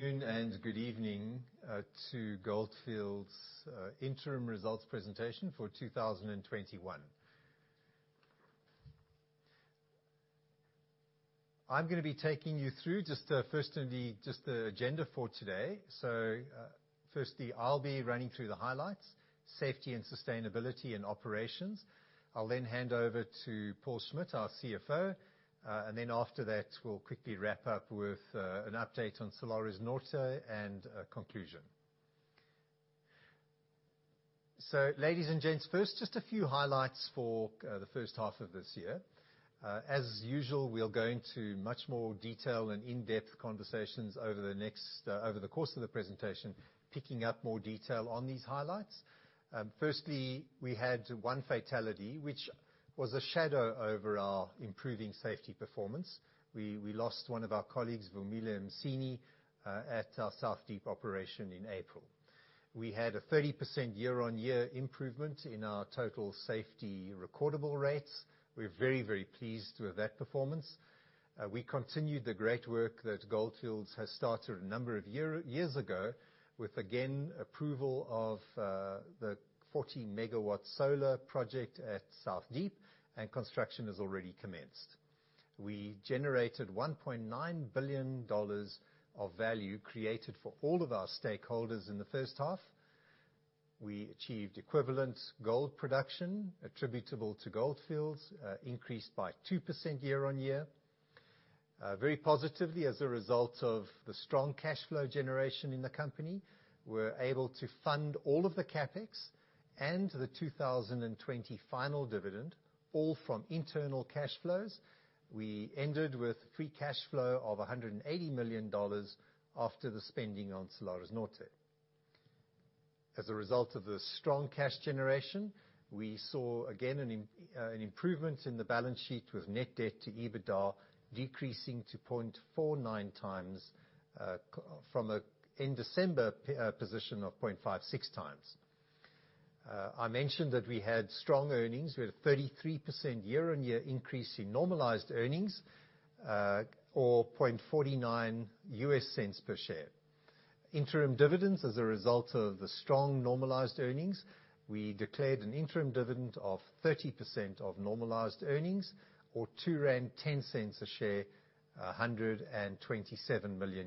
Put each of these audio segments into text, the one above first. Good morning, good afternoon, and good evening to Gold Fields' interim results presentation for 2021. I'm going to be taking you through just firstly, the agenda for today. Firstly, I'll be running through the highlights, safety and sustainability, and operations. I'll then hand over to Paul Schmidt, our CFO, and then after that, we'll quickly wrap up with an update on Salares Norte and conclusion. Ladies and gents, first, just a few highlights for the first half of this year. As usual, we'll go into much more detail and in-depth conversations over the course of the presentation, picking up more detail on these highlights. Firstly, we had one fatality, which was a shadow over our improving safety performance. We lost one of our colleagues, Vumile Mgcine, at our South Deep operation in April. We had a 30% year-on-year improvement in our total safety recordable rates. We're very pleased with that performance. We continued the great work that Gold Fields has started a number of years ago with, again, approval of the 40 MW solar project at South Deep, and construction has already commenced. We generated $1.9 billion of value created for all of our stakeholders in the first half. We achieved equivalent gold production attributable to Gold Fields, increased by 2% year-on-year. Very positively, as a result of the strong cash flow generation in the company, we're able to fund all of the CapEx and the 2020 final dividend, all from internal cash flows. We ended with free cash flow of $180 million after the spending on Salares Norte. As a result of the strong cash generation, we saw again an improvement in the balance sheet with net debt to EBITDA decreasing to 0.49 times from an end December position of 0.56 times. I mentioned that we had strong earnings. We had a 33% year-over-year increase in normalized earnings, or $0.49 per share. Interim dividends as a result of the strong normalized earnings, we declared an interim dividend of 30% of normalized earnings, or R2.10 a share, $127 million.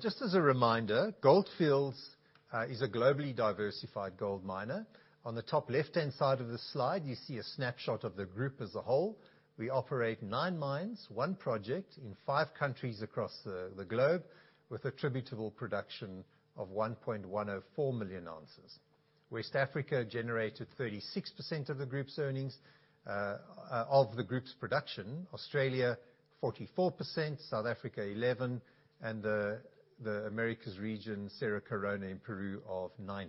Just as a reminder, Gold Fields is a globally diversified gold miner. On the top left-hand side of the slide, you see a snapshot of the group as a whole. We operate nine mines, one project in five countries across the globe, with attributable production of 1.104 million ounces. West Africa generated 36% of the group's production. Australia, 44%, South Africa, 11%, and the Americas region, Cerro Corona in Peru of 9%.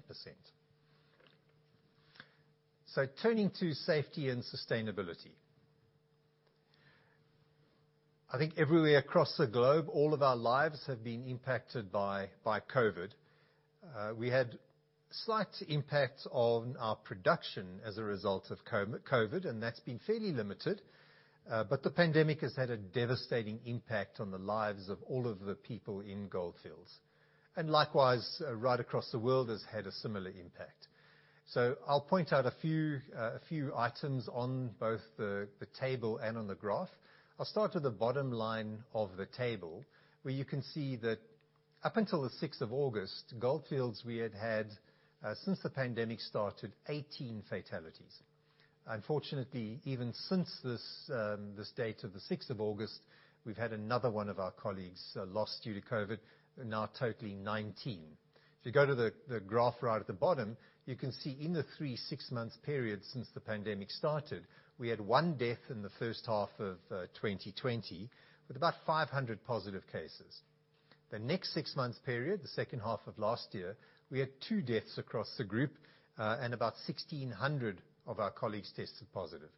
Turning to safety and sustainability. I think everywhere across the globe, all of our lives have been impacted by COVID-19. We had slight impacts on our production as a result of COVID, and that's been fairly limited. The pandemic has had a devastating impact on the lives of all of the people in Gold Fields. Likewise, right across the world has had a similar impact. I'll point out a few items on both the table and on the graph. I'll start with the bottom line of the table, where you can see that up until the 6th of August, Gold Fields, we had had, since the pandemic started, 18 fatalities. Unfortunately, even since this date of the 6th of August, we've had another one of our colleagues lost due to COVID, now totaling 19. If you go to the graph right at the bottom, you can see in the 3 six-month periods since the pandemic started, we had 1 death in the first half of 2020 with about 500 positive cases. The next six-month period, the second half of last year, we had 2 deaths across the group, and about 1,600 of our colleagues tested positive.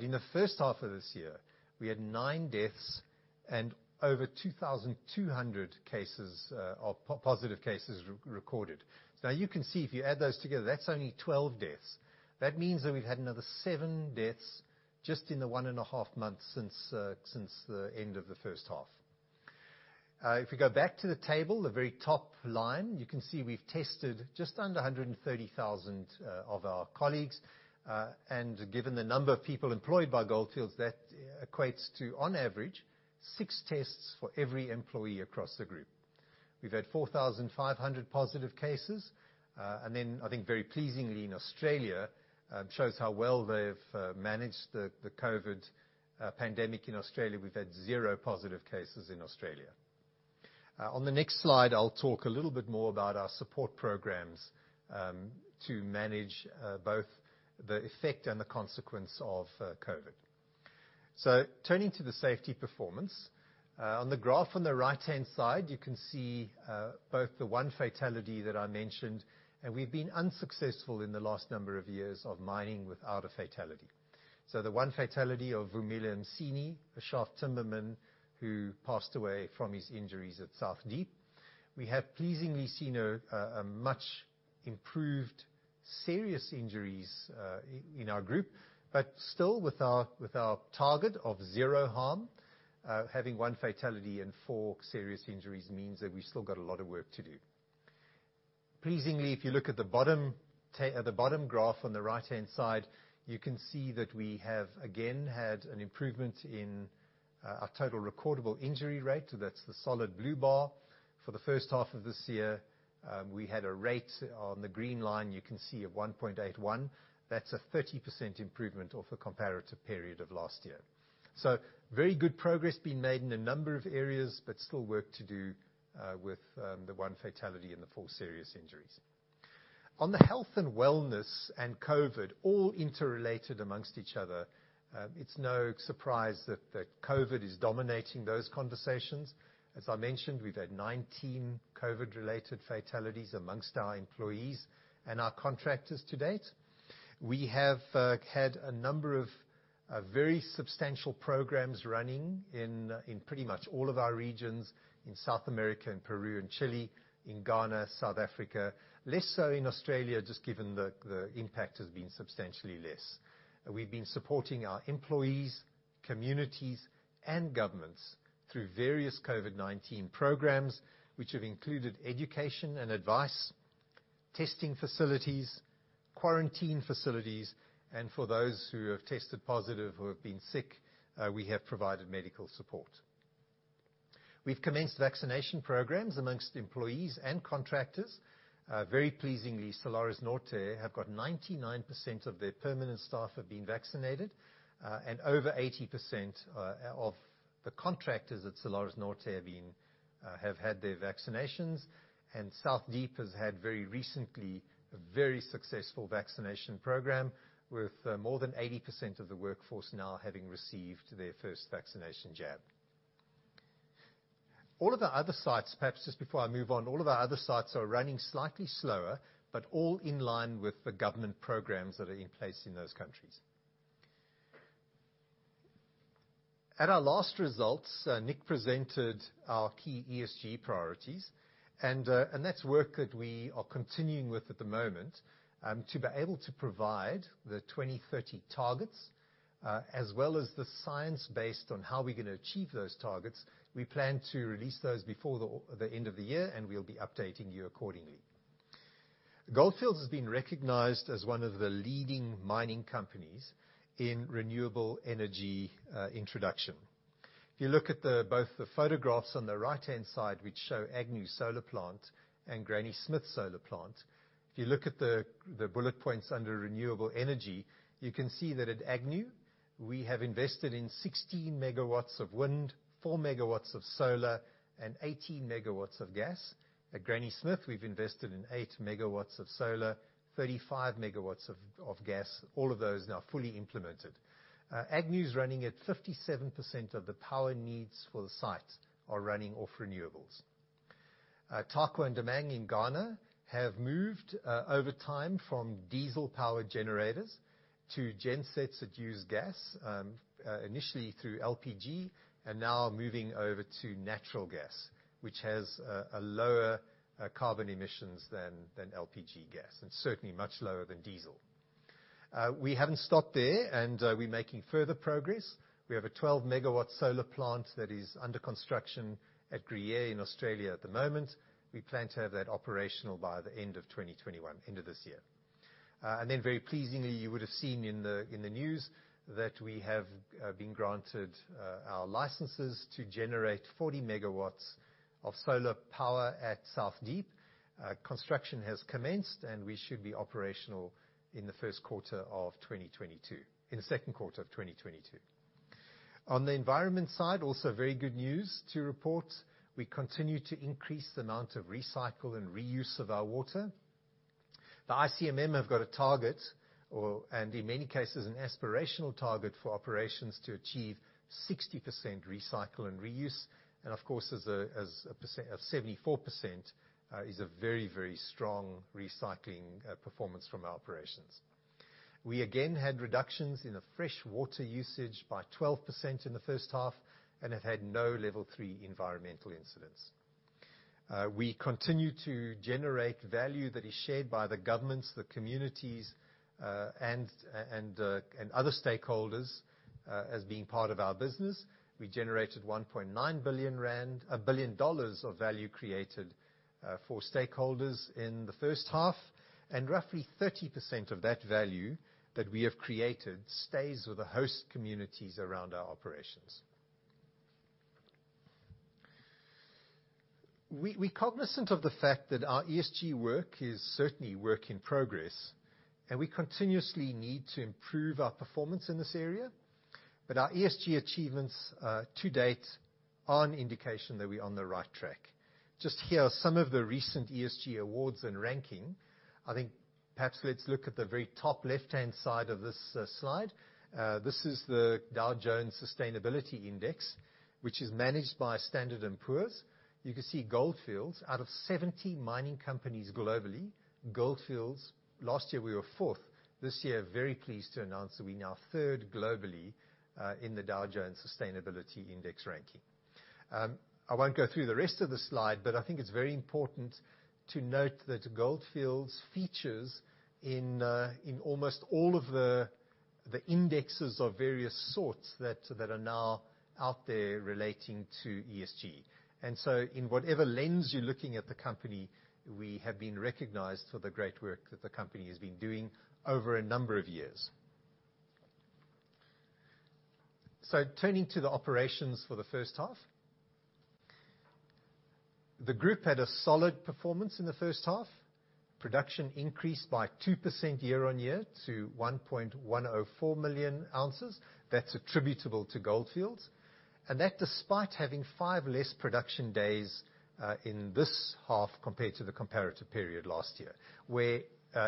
In the first half of this year, we had 9 deaths and over 2,200 positive cases recorded. Now you can see if you add those together, that's only 12 deaths. That means that we've had another 7 deaths just in the one and a half months since the end of the first half. If we go back to the table, the very top line, you can see we've tested just under 130,000 of our colleagues. Given the number of people employed by Gold Fields, that equates to, on average, 6 tests for every employee across the group. We've had 4,500 positive cases. I think very pleasingly in Australia, shows how well they've managed the COVID pandemic in Australia, we've had 0 positive cases in Australia. On the next slide, I'll talk a little bit more about our support programs to manage both the effect and the consequence of COVID. Turning to the safety performance. On the graph on the right-hand side, you can see both the 1 fatality that I mentioned, and we've been unsuccessful in the last number of years of mining without a fatality. The 1 fatality of Vumile Mgcine, a Shaft timberman who passed away from his injuries at South Deep. We have pleasingly seen a much improved serious injuries in our group. Still with our target of zero harm, having 1 fatality and 4 serious injuries means that we've still got a lot of work to do. Pleasingly, if you look at the bottom graph on the right-hand side, you can see that we have, again, had an improvement in our total recordable injury rate. That's the solid blue bar. For the 1st half of this year, we had a rate, on the green line you can see, of 1.81. That's a 30% improvement off the comparative period of last year. Very good progress being made in a number of areas, but still work to do with the 1 fatality and the 4 serious injuries. On the health and wellness and COVID-19, all interrelated among each other, it's no surprise that COVID-19 is dominating those conversations. As I mentioned, we've had 19 COVID-19-related fatalities amongst our employees and our contractors to date. We have had a number of very substantial programs running in pretty much all of our regions, in South America, in Peru and Chile, in Ghana, South Africa. Less so in Australia, just given the impact has been substantially less. We've been supporting our employees, communities, and governments through various COVID-19 programs, which have included education and advice, testing facilities, quarantine facilities, and for those who have tested positive or have been sick, we have provided medical support. We've commenced vaccination programs amongst employees and contractors. Very pleasingly, Salares Norte have got 99% of their permanent staff have been vaccinated. Over 80% of the contractors at Salares Norte have had their vaccinations. South Deep has had, very recently, a very successful vaccination program with more than 80% of the workforce now having received their first vaccination jab. All of our other sites, perhaps just before I move on, are running slightly slower, but all in line with the government programs that are in place in those countries. At our last results, Nick presented our key ESG priorities. That's work that we are continuing with at the moment, to be able to provide the 2030 targets, as well as the science based on how we're going to achieve those targets. We plan to release those before the end of the year. We'll be updating you accordingly. Gold Fields has been recognized as one of the leading mining companies in renewable energy introduction. If you look at both the photographs on the right-hand side, which show Agnew solar plant and Granny Smith solar plant, if you look at the bullet points under renewable energy, you can see that at Agnew we have invested in 16 MW of wind, 4 MW of solar, and 18 MW of gas. At Granny Smith, we've invested in 8 MW of solar, 35 MW of gas. All of those now are fully implemented. Agnew's running at 57% of the power needs for the site are running off renewables. Tarkwa and Damang in Ghana have moved over time from diesel-powered generators to gensets that use gas, initially through LPG, and now are moving over to natural gas, which has a lower carbon emissions than LPG gas, and certainly much lower than diesel. We haven't stopped there, we're making further progress. We have a 12 MW solar plant that is under construction at Gruyere in Australia at the moment. We plan to have that operational by the end of 2021, end of this year. Very pleasingly, you would have seen in the news that we have been granted our licenses to generate 40 MW of solar power at South Deep. Construction has commenced, and we should be operational in the second quarter of 2022. On the environment side, also very good news to report. We continue to increase the amount of recycle and reuse of our water. The ICMM have got a target, and in many cases, an aspirational target for operations to achieve 60% recycle and reuse. Of course, 74% is a very strong recycling performance from our operations. We again had reductions in the fresh water usage by 12% in the first half and have had no level 3 environmental incidents. We continue to generate value that is shared by the governments, the communities, and other stakeholders as being part of our business. We generated $1.9 billion of value created for stakeholders in the first half, and roughly 30% of that value that we have created stays with the host communities around our operations. We're cognizant of the fact that our ESG work is certainly work in progress, and we continuously need to improve our performance in this area. Our ESG achievements to date are an indication that we're on the right track. Just here are some of the recent ESG awards and ranking. I think perhaps let's look at the very top left-hand side of this slide. This is the Dow Jones Sustainability Index, which is managed by Standard and Poor's. You can see Gold Fields, out of 70 mining companies globally, Gold Fields, last year we were fourth. This year, very pleased to announce that we're now third globally in the Dow Jones Sustainability Index ranking. I won't go through the rest of the slide, but I think it's very important to note that Gold Fields features in almost all of the indexes of various sorts that are now out there relating to ESG. In whatever lens you're looking at the company, we have been recognized for the great work that the company has been doing over a number of years. Turning to the operations for the first half. The group had a solid performance in the first half. Production increased by 2% year-on-year to 1.104 million ounces. That's attributable to Gold Fields, that despite having five less production days in this half compared to the comparative period last year, where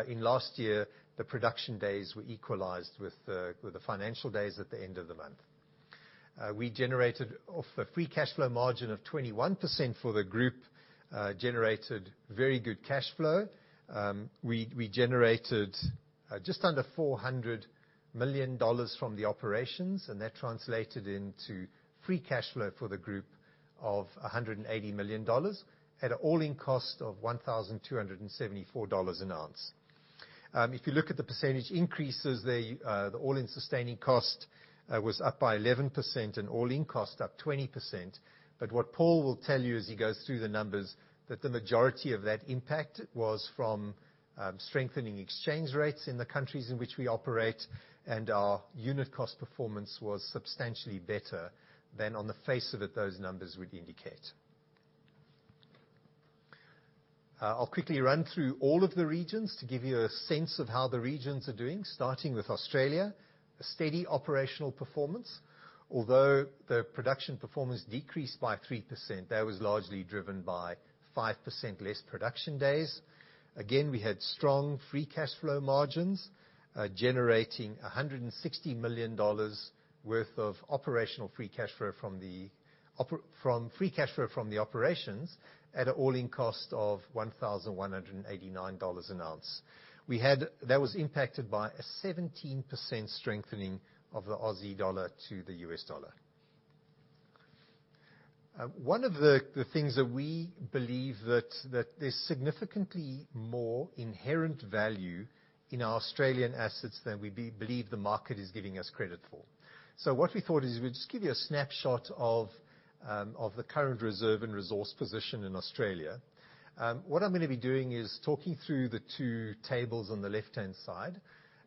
in last year, the production days were equalized with the financial days at the end of the month. We generated off a free cash flow margin of 21% for the group, generated very good cash flow. We generated just under $400 million from the operations. That translated into free cash flow for the group of $180 million at an all-in cost of $1,274 an ounce. If you look at the percentage increases, the all-in sustaining cost was up by 11%. All-in cost up 20%. What Paul will tell you as he goes through the numbers, that the majority of that impact was from strengthening exchange rates in the countries in which we operate and our unit cost performance was substantially better than on the face of it, those numbers would indicate. I'll quickly run through all of the regions to give you a sense of how the regions are doing, starting with Australia, a steady operational performance. Although the production performance decreased by 3%, that was largely driven by 5% less production days. Again, we had strong free cash flow margins, generating $160 million worth of operational free cash flow from the operations at an all-in cost of $1,189 an ounce. That was impacted by a 17% strengthening of the Aussie dollar to the US dollar. One of the things that we believe that there's significantly more inherent value in our Australian assets than we believe the market is giving us credit for. What we thought is we'd just give you a snapshot of the current reserve and resource position in Australia. What I'm going to be doing is talking through the 2 tables on the left-hand side.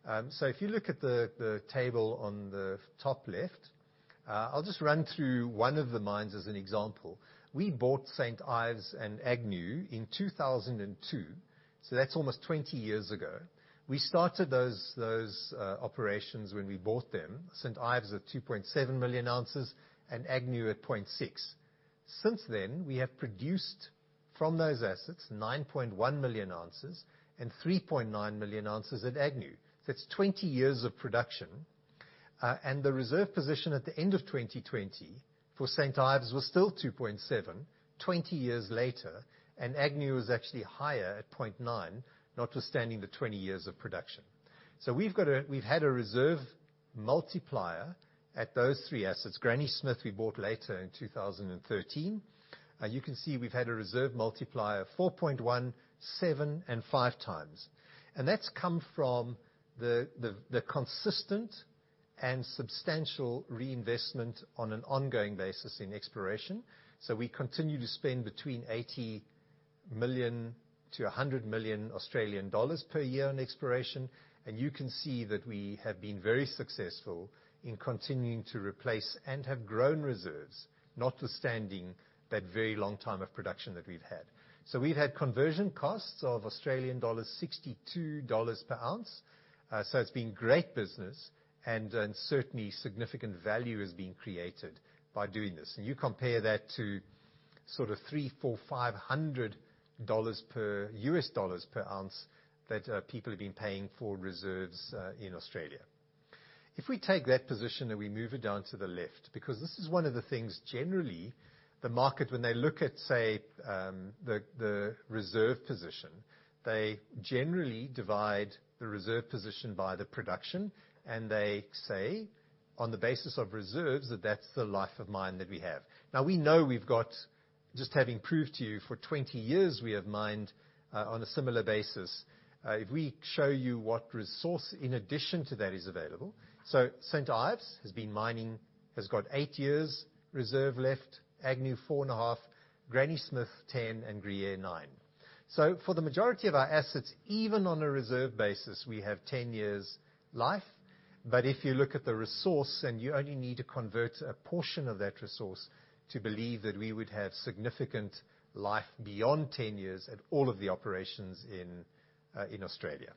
If you look at the table on the top left, I'll just run through 1 of the mines as an example. We bought St. Ives and Agnew in 2002, so that's almost 20 years ago. We started those operations when we bought them, St. Ives at 2.7 million ounces and Agnew at 0.6 million ounces. Since then, we have produced from those assets 9.1 million ounces and 3.9 million ounces at Agnew. That's 20 years of production. The reserve position at the end of 2020 for St. Ives was still 2.7, 20 years later, and Agnew was actually higher at 0.9, notwithstanding the 20 years of production. We've had a reserve multiplier at those three assets. Granny Smith we bought later in 2013. You can see we've had a reserve multiplier 4.1, 7, and 5 times. That's come from the consistent and substantial reinvestment on an ongoing basis in exploration. We continue to spend between 80 million to 100 million Australian dollars per year on exploration, and you can see that we have been very successful in continuing to replace and have grown reserves, notwithstanding that very long time of production that we've had. We've had conversion costs of Australian dollars 62 per ounce. It's been great business, and certainly significant value is being created by doing this. You compare that to sort of $300, $400, $500 per ounce that people have been paying for reserves in Australia. If we take that position and we move it down to the left, because this is one of the things generally the market, when they look at, say, the reserve position, they generally divide the reserve position by the production, and they say, on the basis of reserves, that that's the life of mine that we have. Now, we know we've got just having proved to you for 20 years, we have mined on a similar basis. If we show you what resource in addition to that is available. St. Ives has got 8 years reserve left, Agnew 4.5, Granny Smith 10, and Gruyere 9. For the majority of our assets, even on a reserve basis, we have 10 years life. If you look at the resource and you only need to convert a portion of that resource to believe that we would have significant life beyond 10 years at all of the operations in Australia.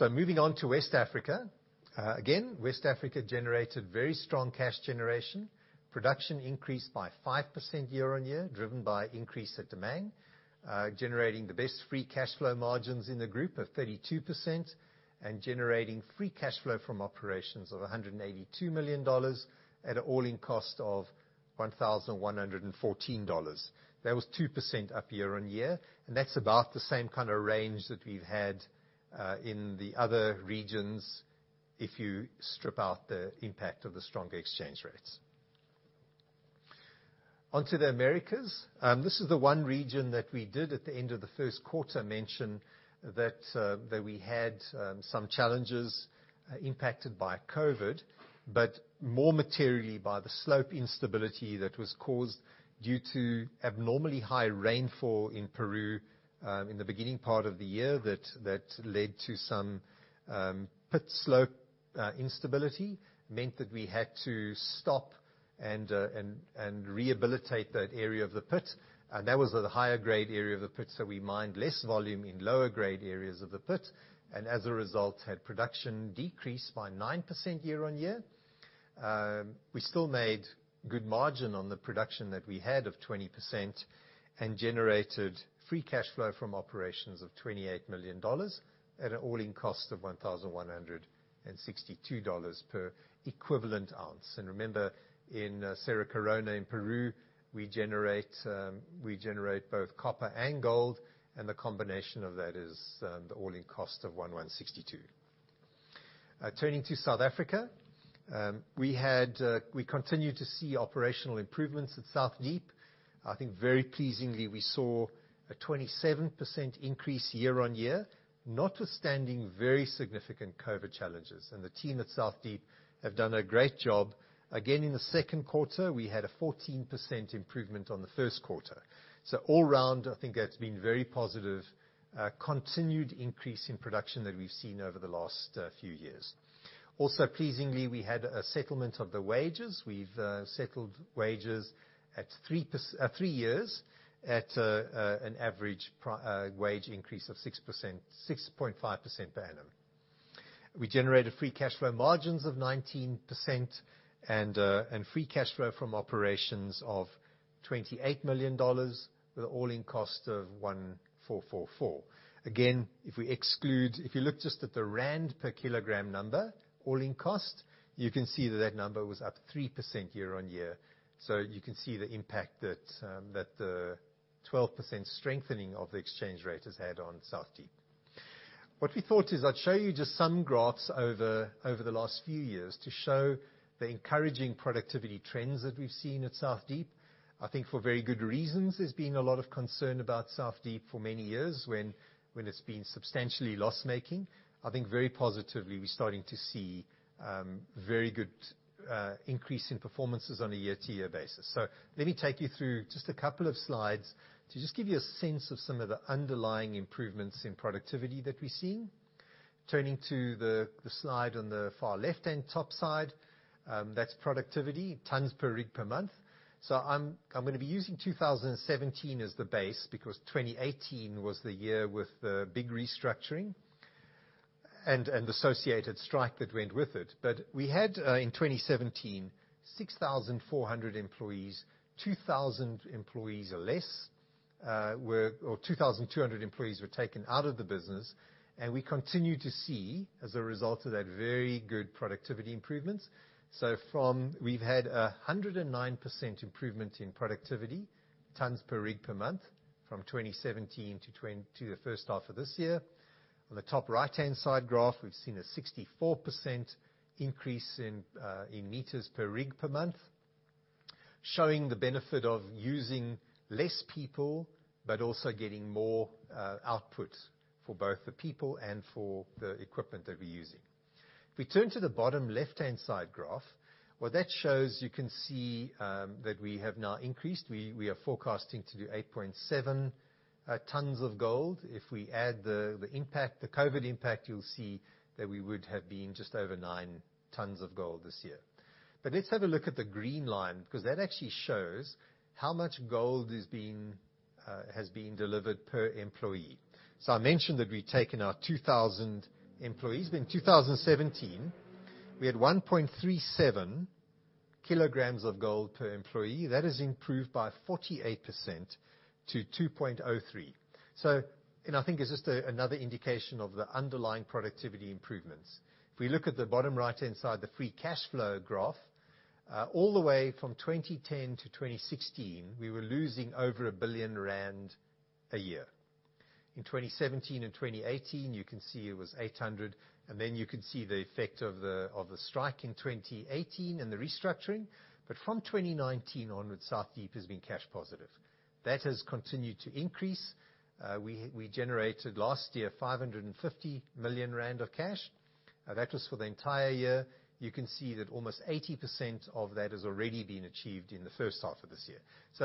Moving on to West Africa. Again, West Africa generated very strong cash generation. Production increased by 5% year-on-year, driven by increase at Damang, generating the best free cash flow margins in the group of 32% and generating free cash flow from operations of $182 million at an all-in cost of $1,114. That was 2% up year-on-year, and that's about the same kind of range that we've had in the other regions if you strip out the impact of the stronger exchange rates. Onto the Americas. This is the one region that we did at the end of the first quarter mention that we had some challenges impacted by COVID-19, but more materially by the slope instability that was caused due to abnormally high rainfall in Peru in the beginning part of the year that led to some pit slope instability. Meant that we had to stop and rehabilitate that area of the pit. And that was the higher grade area of the pit, so we mined less volume in lower grade areas of the pit, and as a result, had production decrease by 9% year-on-year. We still made good margin on the production that we had of 20% and generated free cash flow from operations of $28 million at an all-in cost of $1,162 per equivalent ounce. Remember, in Cerro Corona in Peru, we generate both copper and gold, and the combination of that is the all-in cost of $1,162. Turning to South Africa. We continue to see operational improvements at South Deep. I think very pleasingly, we saw a 27% increase year-on-year, notwithstanding very significant COVID challenges. The team at South Deep have done a great job. In the second quarter, we had a 14% improvement on the first quarter. All around, I think that's been very positive, continued increase in production that we've seen over the last few years. Also pleasingly, we had a settlement of the wages. We've settled wages at 3 years at an average wage increase of 6.5% per annum. We generated free cash flow margins of 19% and free cash flow from operations of $28 million, with all-in cost of $1,444. If you look just at the ZAR per kilogram number all-in cost, you can see that that number was up 3% year-on-year. You can see the impact that the 12% strengthening of the exchange rate has had on South Deep. What we thought is I'd show you just some graphs over the last few years to show the encouraging productivity trends that we've seen at South Deep. I think for very good reasons, there's been a lot of concern about South Deep for many years when it's been substantially loss-making. I think very positively, we're starting to see very good increase in performances on a year-to-year basis. Let me take you through just a couple of slides to just give you a sense of some of the underlying improvements in productivity that we're seeing. Turning to the slide on the far left and top side, that's productivity, tonnes per rig per month. I'm going to be using 2017 as the base because 2018 was the year with the big restructuring and the associated strike that went with it. We had, in 2017, 6,400 employees, 2,000 employees or less, or 2,200 employees were taken out of the business, and we continue to see, as a result of that, very good productivity improvements. We've had 109% improvement in productivity, tonnes per rig per month, from 2017 to H1 2021. On the top right-hand side graph, we've seen a 64% increase in meters per rig per month, showing the benefit of using less people, but also getting more output for both the people and for the equipment that we're using. We turn to the bottom left-hand side graph, what that shows, you can see that we have now increased. We are forecasting to do 8.7 tonnes of gold. We add the COVID-19 impact, you'll see that we would have been just over 9 tonnes of gold this year. Let's have a look at the green line, because that actually shows how much gold has been delivered per employee. I mentioned that we've taken out 2,000 employees. In 2017, we had 1.37 kilograms of gold per employee. That has improved by 48% to 2.03. I think it's just another indication of the underlying productivity improvements. We look at the bottom right-hand side, the free cash flow graph, all the way from 2010-2016, we were losing over 1 billion rand a year. In 2017 and 2018, you can see it was 800 million. You can see the effect of the strike in 2018 and the restructuring. From 2019 onwards, South Deep has been cash positive. That has continued to increase. We generated last year 550 million rand of cash. That was for the entire year. You can see that almost 80% of that has already been achieved in the first half of this year.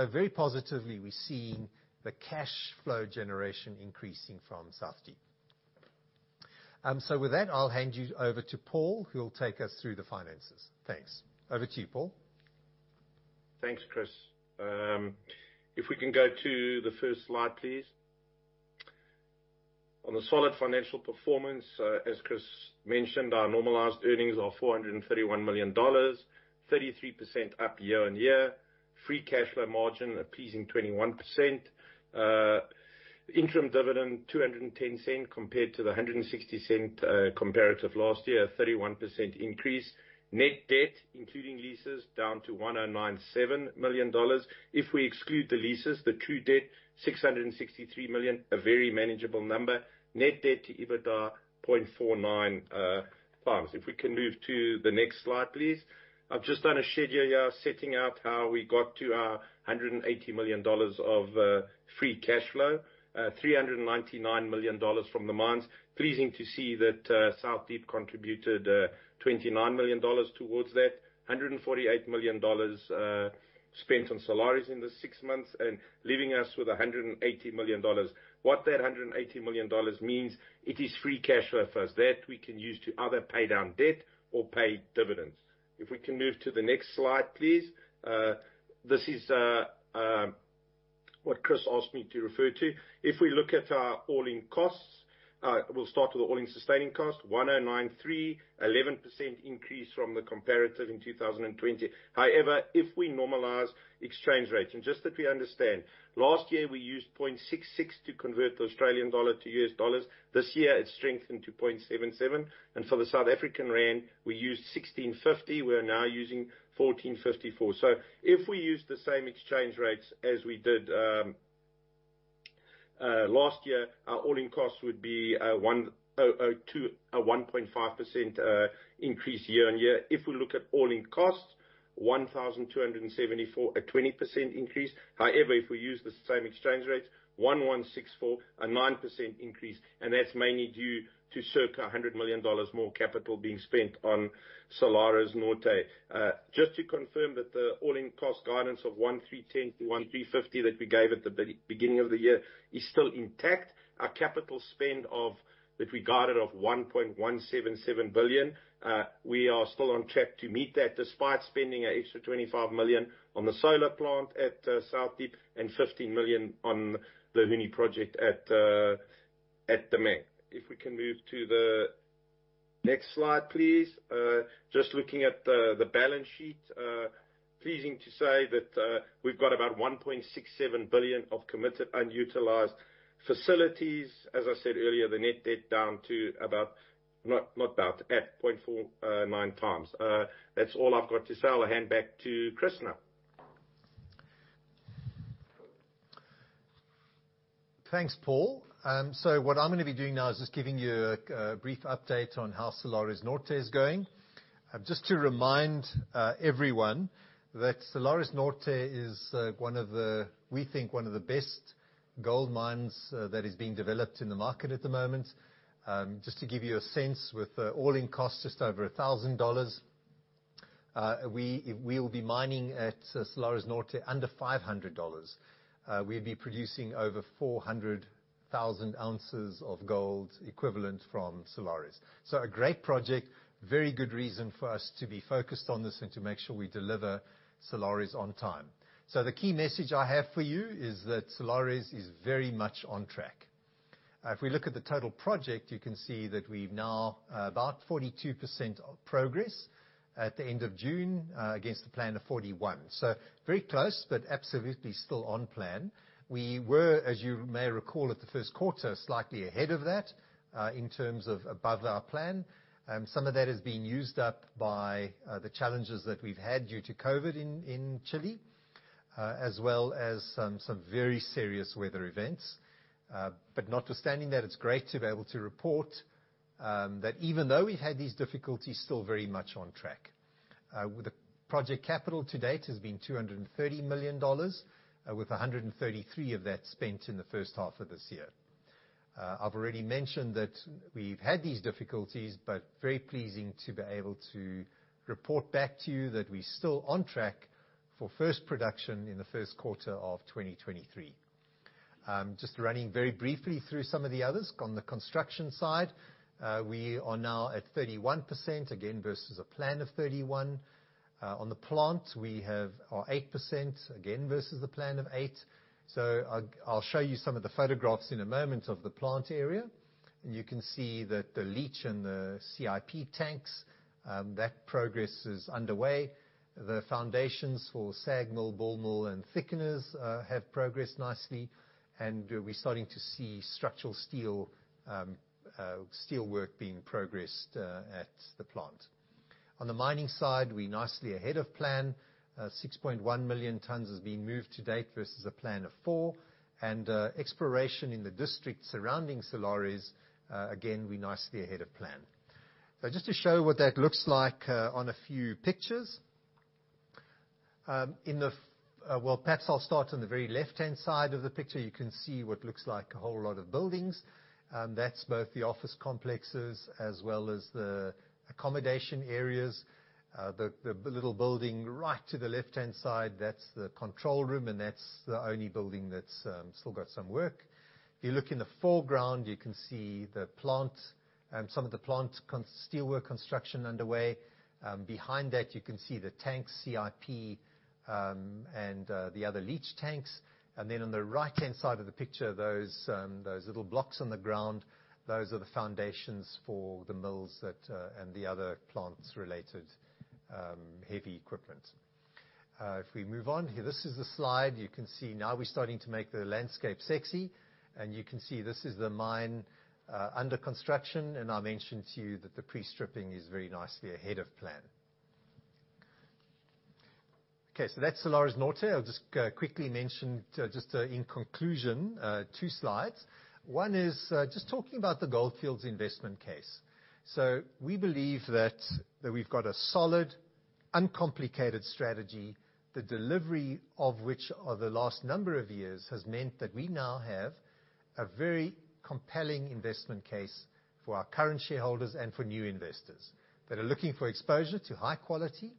Very positively, we're seeing the cash flow generation increasing from South Deep. With that, I'll hand you over to Paul, who will take us through the finances. Thanks. Over to you, Paul. Thanks, Chris. If we can go to the first slide, please. On the solid financial performance, as Chris mentioned, our normalized earnings are $431 million, 33% up year-on-year. Free cash flow margin, a pleasing 21%. Interim dividend $2.10 compared to the $1.60 comparative last year, a 31% increase. Net debt, including leases, down to $1,097 million. If we exclude the leases, the true debt, $663 million, a very manageable number. Net debt to EBITDA, 0.49 times. If we can move to the next slide, please. I've just done a schedule here setting out how we got to our $180 million of free cash flow, $399 million from the mines. Pleasing to see that South Deep contributed $29 million towards that. $148 million spent on Salares Norte in the six months. Leaving us with $180 million. What that $180 million means, it is free cash flow for us that we can use to either pay down debt or pay dividends. If we can move to the next slide, please. This is what Chris asked me to refer to. If we look at our all-in costs, we'll start with the all-in sustaining cost, $1,093, 11% increase from the comparative in 2020. However, if we normalize exchange rates, and just that we understand, last year we used 0.66 to convert the Australian dollar to U.S. dollars. This year it's strengthened to 0.77. For the South African rand, we used 16.50. We are now using 14.54. If we use the same exchange rates as we did last year, our all-in costs would be a 1.5% increase year on year. If we look at all-in costs, $1,274, a 20% increase. If we use the same exchange rates, 1,164, a 9% increase, and that's mainly due to circa $100 million more capital being spent on Salares Norte. Just to confirm that the all-in cost guidance of $1,310-$1,350 that we gave at the beginning of the year is still intact. Our capital spend that we guided of $1.177 billion, we are still on track to meet that, despite spending an extra $25 million on the solar plant at South Deep and $15 million on the Huni project at Damang. If we can move to the next slide, please. Just looking at the balance sheet. Pleasing to say that we've got about $1.67 billion of committed unutilized facilities. As I said earlier, the net debt down to at 0.49 times. That's all I've got to say. I'll hand back to Chris now. Thanks, Paul. What I'm going to be doing now is just giving you a brief update on how Salares Norte is going. Just to remind everyone that Salares Norte is we think, one of the best gold mines that is being developed in the market at the moment. Just to give you a sense with all-in costs, just over $1,000. We will be mining at Salares Norte under $500. We'll be producing over 400,000 ounces of gold equivalent from Salares. A great project, very good reason for us to be focused on this and to make sure we deliver Salares on time. The key message I have for you is that Salares is very much on track. If we look at the total project, you can see that we're now about 42% progress at the end of June against the plan of 41%. Very close, but absolutely still on plan. We were, as you may recall at the first quarter, slightly ahead of that, in terms of above our plan. Some of that has been used up by the challenges that we've had due to COVID-19 in Chile, as well as some very serious weather events. Notwithstanding that, it's great to be able to report that even though we've had these difficulties, still very much on track. The project capital to date has been $230 million, with $133 million of that spent in the first half of this year. I've already mentioned that we've had these difficulties, but very pleasing to be able to report back to you that we're still on track for first production in the first quarter of 2023. Just running very briefly through some of the others. On the construction side, we are now at 31%, again versus a plan of 31%. On the plant, we have our 8%, again versus the plan of 8%. I'll show you some of the photographs in a moment of the plant area. You can see that the leach and the CIP tanks, that progress is underway. The foundations for SAG mill, ball mill, and thickeners have progressed nicely, and we're starting to see structural steel work being progressed at the plant. On the mining side, we're nicely ahead of plan. 6.1 million tonnes has been moved to date versus a plan of 4 million tonnes. And exploration in the district surrounding Salares Norte, again, we're nicely ahead of plan. Just to show what that looks like on a few pictures. Well, perhaps I'll start on the very left-hand side of the picture. You can see what looks like a whole lot of buildings. That's both the office complexes as well as the accommodation areas. The little building right to the left-hand side, that's the control room, and that's the only building that's still got some work. If you look in the foreground, you can see some of the plant steelwork construction underway. Behind that you can see the tank CIP and the other leach tanks. On the right-hand side of the picture, those little blocks on the ground, those are the foundations for the mills and the other plants related heavy equipment. If we move on, this is the slide you can see now we're starting to make the landscape sexy, and you can see this is the mine under construction, and I mentioned to you that the pre-stripping is very nicely ahead of plan. That's Salares Norte. I'll just quickly mention, just in conclusion, 2 slides. One is just talking about the Gold Fields investment case. We believe that we've got a solid, uncomplicated strategy, the delivery of which over the last number of years has meant that we now have a very compelling investment case for our current shareholders and for new investors that are looking for exposure to high-quality,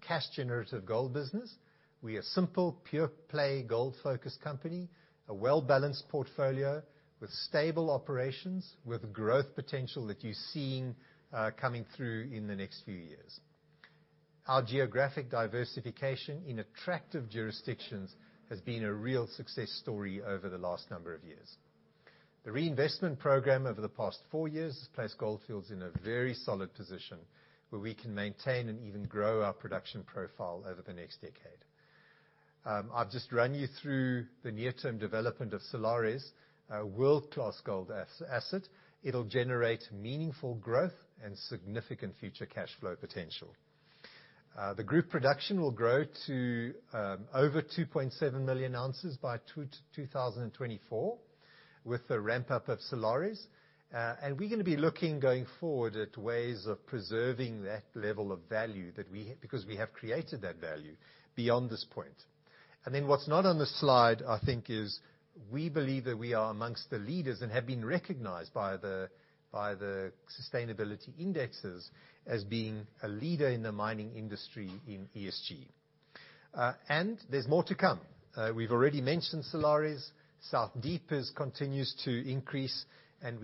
cash-generative gold business. We're a simple, pure play, gold-focused company, a well-balanced portfolio with stable operations, with growth potential that you're seeing coming through in the next few years. Our geographic diversification in attractive jurisdictions has been a real success story over the last number of years. The reinvestment program over the past 4 years has placed Gold Fields in a very solid position where we can maintain and even grow our production profile over the next decade. I've just run you through the near-term development of Salares Norte, a world-class gold asset. It'll generate meaningful growth and significant future cash flow potential. The group production will grow to over 2.7 million ounces by 2024 with the ramp-up of Salares Norte. We're going to be looking, going forward, at ways of preserving that level of value that we have, because we have created that value, beyond this point. What's not on the slide, I think, is we believe that we are amongst the leaders and have been recognized by the sustainability indices as being a leader in the mining industry in ESG. There's more to come. We've already mentioned Salares Norte. South Deep continues to increase, and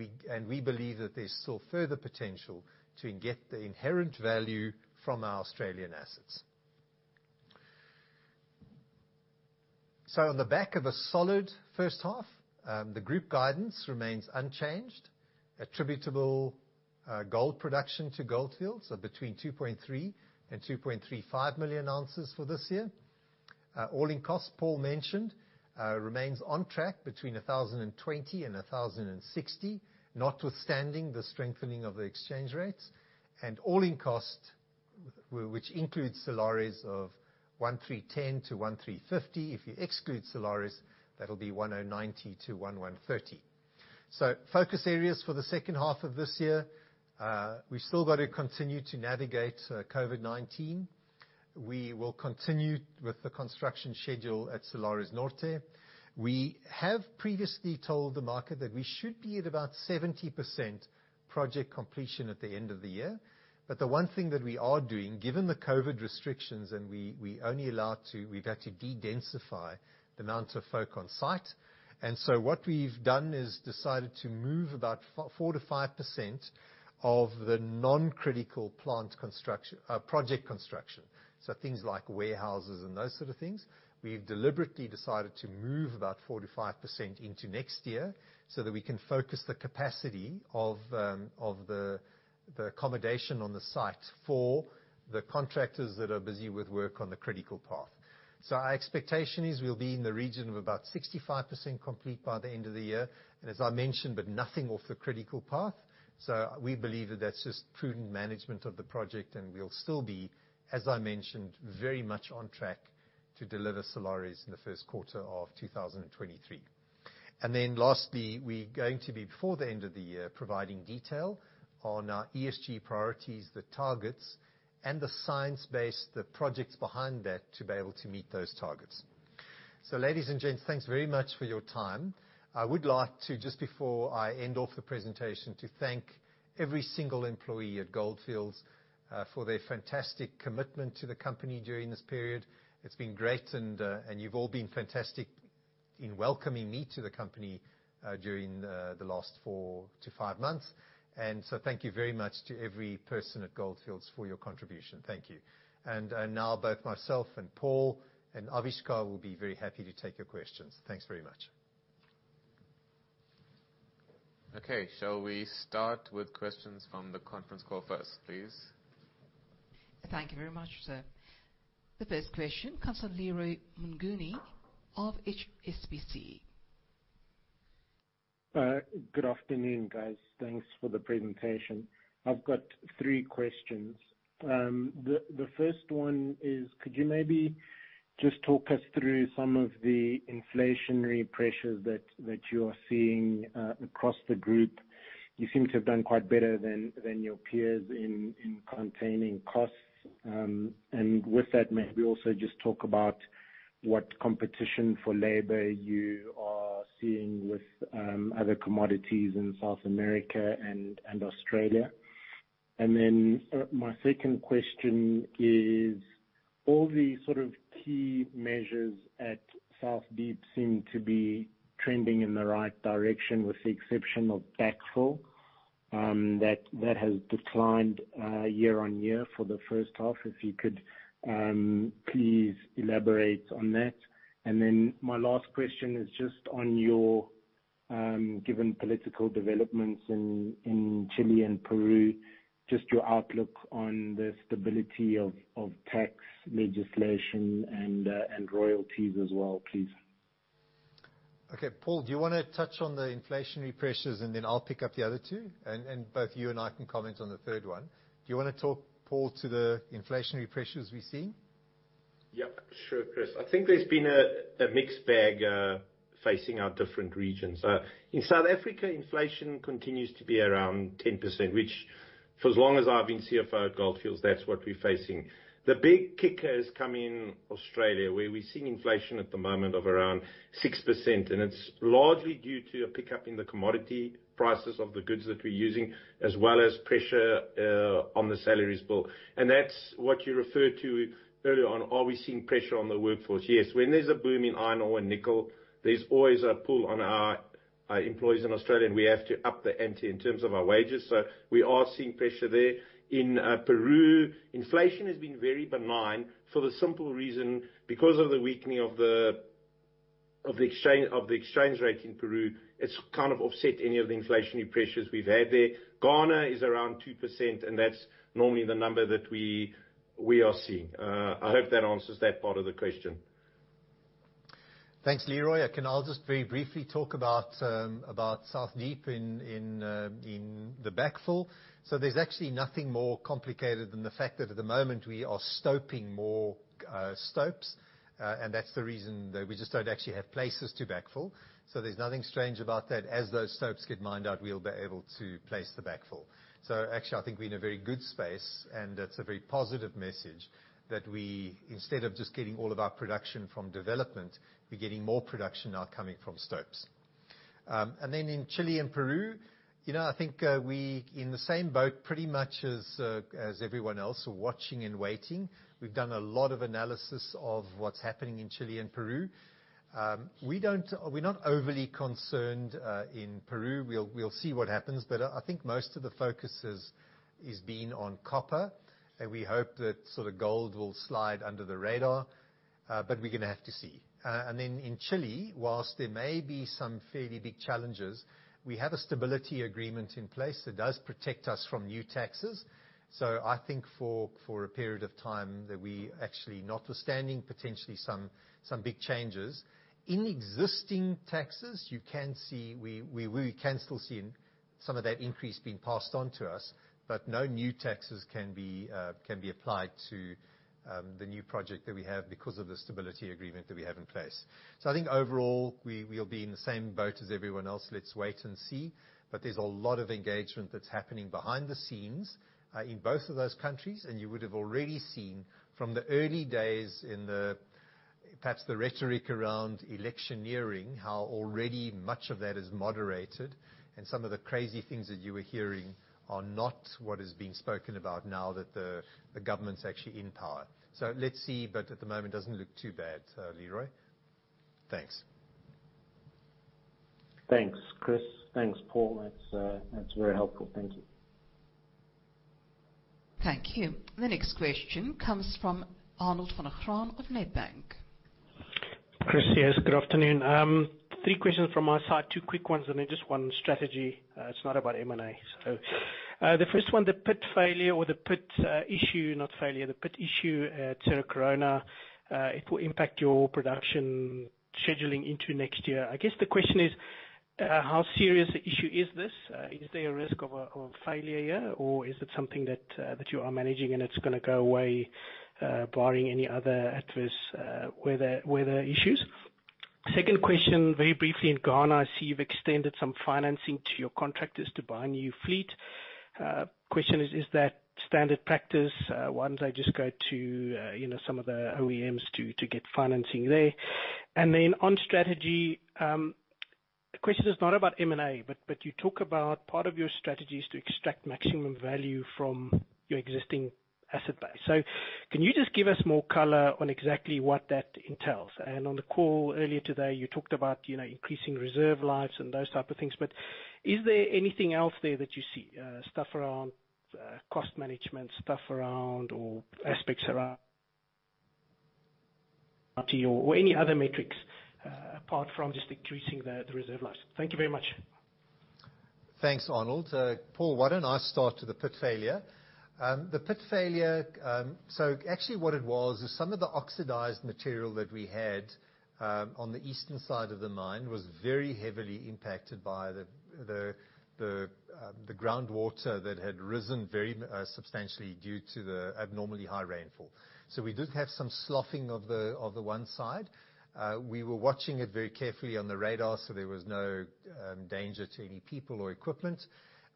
we believe that there's still further potential to get the inherent value from our Australian assets. On the back of a solid first half, the group guidance remains unchanged. Attributable gold production to Gold Fields are between 2.3 and 2.35 million ounces for this year. All-in cost, Paul mentioned, remains on track between $1,020 and $1,060, notwithstanding the strengthening of the exchange rates. All-in cost, which includes Salares Norte, of $1,310-$1,350. If you exclude Salares Norte, that'll be $1,090-$1,130. Focus areas for the second half of this year, we've still got to continue to navigate COVID-19. We will continue with the construction schedule at Salares Norte. We have previously told the market that we should be at about 70% project completion at the end of the year. The one thing that we are doing, given the COVID restrictions, and we're only allowed to, we've had to de-densify the amount of folk on site. What we've done is decided to move about 4%-5% of the non-critical project construction. Things like warehouses and those sort of things. We've deliberately decided to move about 4%-5% into next year so that we can focus the capacity of the accommodation on the site for the contractors that are busy with work on the critical path. Our expectation is we'll be in the region of about 65% complete by the end of the year, as I mentioned, but nothing off the critical path. We believe that that's just prudent management of the project, and we'll still be, as I mentioned, very much on track to deliver Salares in the first quarter of 2023. Lastly, we're going to be, before the end of the year, providing detail on our ESG priorities, the targets, and the science base, the projects behind that, to be able to meet those targets. Ladies and gents, thanks very much for your time. I would like to, just before I end off the presentation, to thank every single employee at Gold Fields for their fantastic commitment to the company during this period. It's been great, and you've all been fantastic in welcoming me to the company during the last four to five months. Thank you very much to every person at Gold Fields for your contribution. Thank you. Both myself and Paul and Avishkar will be very happy to take your questions. Thanks very much. Okay. Shall we start with questions from the conference call first, please? Thank you very much, sir. The first question comes from Leroy Mnguni of HSBC. Good afternoon, guys. Thanks for the presentation. I've got three questions. The first one is, could you maybe just talk us through some of the inflationary pressures that you are seeing across the group? You seem to have done quite better than your peers in containing costs. With that, maybe also just talk about what competition for labor you are seeing with other commodities in South America and Australia. My second question is, all the sort of key measures at South Deep seem to be trending in the right direction, with the exception of backfill. That has declined year on year for the first half. If you could please elaborate on that. My last question is, given political developments in Chile and Peru, just your outlook on the stability of tax legislation and royalties as well, please. Okay. Paul, do you want to touch on the inflationary pressures, and then I'll pick up the other two? Both you and I can comment on the third one. Do you want to talk, Paul, to the inflationary pressures we're seeing? Sure, Chris. I think there's been a mixed bag facing our different regions. In South Africa, inflation continues to be around 10%, which for as long as I've been CFO at Gold Fields, that's what we're facing. The big kicker has come in Australia, where we're seeing inflation at the moment of around 6%, it's largely due to a pickup in the commodity prices of the goods that we're using, as well as pressure on the salaries bill. That's what you referred to earlier on. Are we seeing pressure on the workforce? Yes. When there's a boom in iron ore and nickel, there's always a pull on our employees in Australia, we have to up the ante in terms of our wages. We are seeing pressure there. In Peru, inflation has been very benign for the simple reason, because of the weakening of the exchange rate in Peru, it's kind of offset any of the inflationary pressures we've had there. Ghana is around 2%, and that's normally the number that we are seeing. I hope that answers that part of the question. Thanks, Leroy. I'll just very briefly talk about South Deep in the backfill. There's actually nothing more complicated than the fact that at the moment we are stoping more stopes, and that's the reason that we just don't actually have places to backfill. There's nothing strange about that. As those stopes get mined out, we'll be able to place the backfill. Actually, I think we're in a very good space and that's a very positive message that we, instead of just getting all of our production from development, we're getting more production now coming from stopes. Then in Chile and Peru, I think we're in the same boat pretty much as everyone else, watching and waiting. We've done a lot of analysis of what's happening in Chile and Peru. We're not overly concerned in Peru. We'll see what happens. I think most of the focus has been on copper, and we hope that gold will slide under the radar. We're going to have to see. In Chile, whilst there may be some fairly big challenges, we have a stability agreement in place that does protect us from new taxes. I think for a period of time that we actually, notwithstanding potentially some big changes, in existing taxes, we can still see some of that increase being passed on to us, but no new taxes can be applied to the new project that we have because of the stability agreement that we have in place. I think overall, we'll be in the same boat as everyone else. Let's wait and see. There's a lot of engagement that's happening behind the scenes in both of those countries, and you would have already seen from the early days in perhaps the rhetoric around electioneering, how already much of that has moderated and some of the crazy things that you were hearing are not what is being spoken about now that the government's actually in power. Let's see, but at the moment, it doesn't look too bad, Leroy. Thanks. Thanks, Chris. Thanks, Paul. That's very helpful. Thank you. Thank you. The next question comes from Arnold van Graan of Nedbank. Chris, yes, good afternoon. Three questions from our side, two quick ones, and then just one strategy. It's not about M&A. The first one, the pit failure or the pit issue, not failure, the pit issue at Cerro Corona, it will impact your production scheduling into next year. I guess the question is, how serious an issue is this? Is there a risk of a failure here, or is it something that you are managing and it's going to go away, barring any other adverse weather issues? Second question, very briefly, in Ghana, I see you've extended some financing to your contractors to buy a new fleet. Question is that standard practice? Why don't they just go to some of the OEMs to get financing there? On strategy, the question is not about M&A, but you talk about part of your strategy is to extract maximum value from your existing asset base. Can you just give us more color on exactly what that entails? On the call earlier today, you talked about increasing reserve lives and those type of things, but is there anything else there that you see, stuff around cost management, or aspects around or any other metrics apart from just increasing the reserve lives? Thank you very much. Thanks, Arnold. Paul, why don't I start with the pit failure? The pit failure, actually what it was is some of the oxidized material that we had on the eastern side of the mine was very heavily impacted by the groundwater that had risen very substantially due to the abnormally high rainfall. We did have some sloughing of the one side. We were watching it very carefully on the radar, so there was no danger to any people or equipment.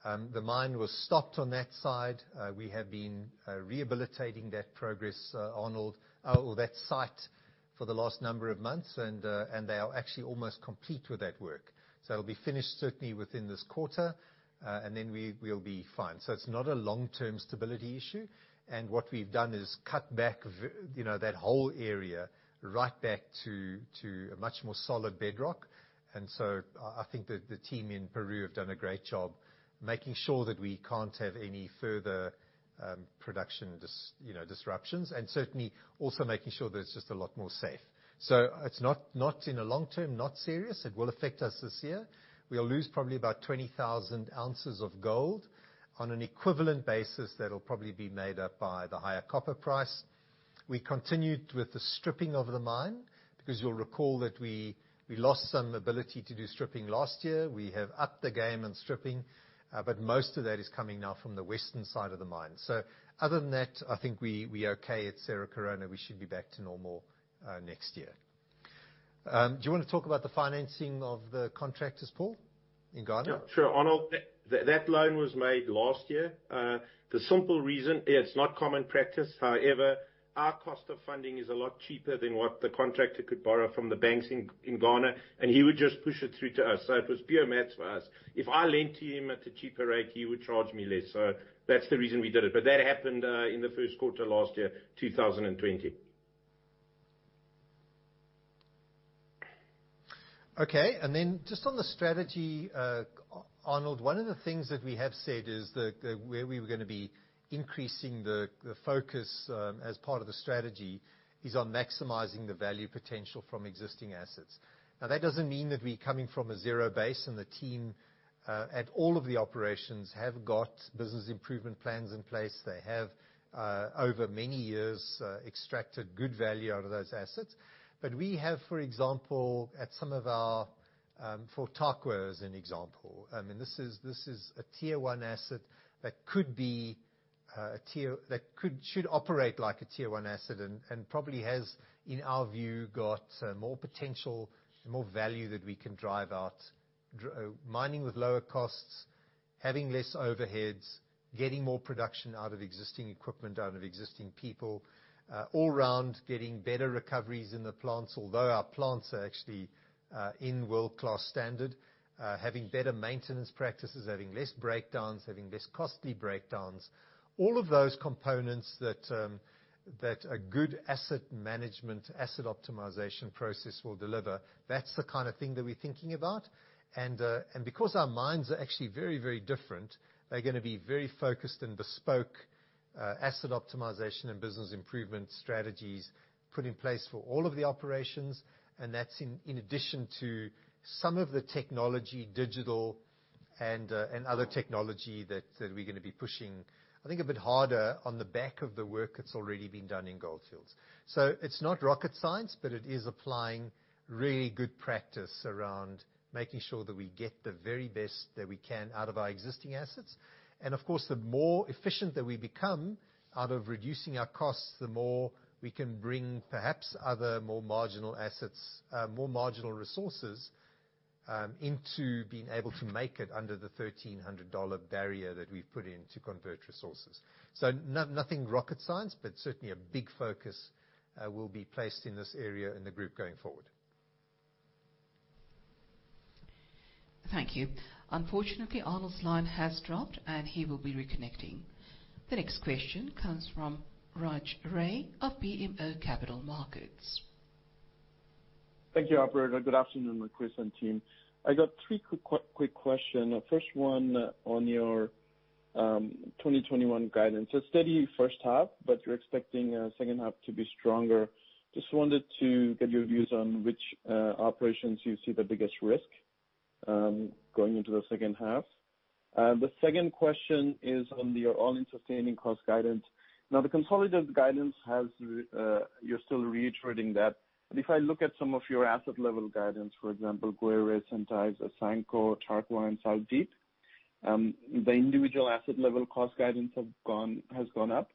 The mine was stopped on that side. We have been rehabilitating that progress, Arnold, or that site for the last number of months, and they are actually almost complete with that work. It'll be finished certainly within this quarter, and then we'll be fine. It's not a long-term stability issue. What we've done is cut back that whole area right back to a much more solid bedrock. I think that the team in Peru have done a great job making sure that we can't have any further production disruptions, and certainly also making sure that it's just a lot more safe. It's not in a long term, not serious. It will affect us this year. We'll lose probably about 20,000 ounces of gold. On an equivalent basis, that'll probably be made up by the higher copper price. We continued with the stripping of the mine, because you'll recall that we lost some ability to do stripping last year. We have upped the game on stripping, but most of that is coming now from the western side of the mine. Other than that, I think we are okay at Cerro Corona. We should be back to normal next year. Do you want to talk about the financing of the contractors, Paul, in Ghana? Yeah, sure, Arnold. That loan was made last year. The simple reason, it's not common practice. However, our cost of funding is a lot cheaper than what the contractor could borrow from the banks in Ghana, and he would just push it through to us. It was pure maths for us. If I lent to him at a cheaper rate, he would charge me less. That's the reason we did it. That happened in the first quarter last year, 2020. Okay, just on the strategy, Arnold, one of the things that we have said is that where we were going to be increasing the focus as part of the strategy is on maximizing the value potential from existing assets. Now, that doesn't mean that we're coming from a zero base and the team at all of the operations have got business improvement plans in place. They have, over many years, extracted good value out of those assets. We have, for example, at some of our, for Tarkwa as an example, this is a tier 1 asset that should operate like a tier 1 asset and probably has, in our view, got more potential, more value that we can drive out, mining with lower costs, having less overheads, getting more production out of existing equipment, out of existing people. All round, getting better recoveries in the plants, although our plants are actually in world-class standard. Having better maintenance practices, having less breakdowns, having less costly breakdowns, all of those components that a good asset management, asset optimization process will deliver. That's the kind of thing that we're thinking about. Because our mines are actually very different, they're going to be very focused and bespoke asset optimization and business improvement strategies put in place for all of the operations. That's in addition to some of the technology, digital and other technology that we're going to be pushing, I think a bit harder on the back of the work that's already been done in Gold Fields. It's not rocket science, but it is applying really good practice around making sure that we get the very best that we can out of our existing assets. Of course, the more efficient that we become out of reducing our costs, the more we can bring perhaps other more marginal assets, more marginal resources, into being able to make it under the $1,300 barrier that we've put in to convert resources. Nothing rocket science, but certainly a big focus will be placed in this area in the group going forward. Thank you. Unfortunately, Arnold's line has dropped, and he will be reconnecting. The next question comes from Raj Ray of BMO Capital Markets. Thank you, operator. Good afternoon, Chris and team. I got 3 quick question. First one on your 2021 guidance. A steady first half, you're expecting second half to be stronger. Just wanted to get your views on which operations you see the biggest risk, going into the second half. The second question is on your all-in sustaining cost guidance. The consolidated guidance, you're still reiterating that. If I look at some of your asset level guidance, for example, Gruyere, Séninghou, Asanko, Tarkwa, and South Deep, the individual asset level cost guidance has gone up.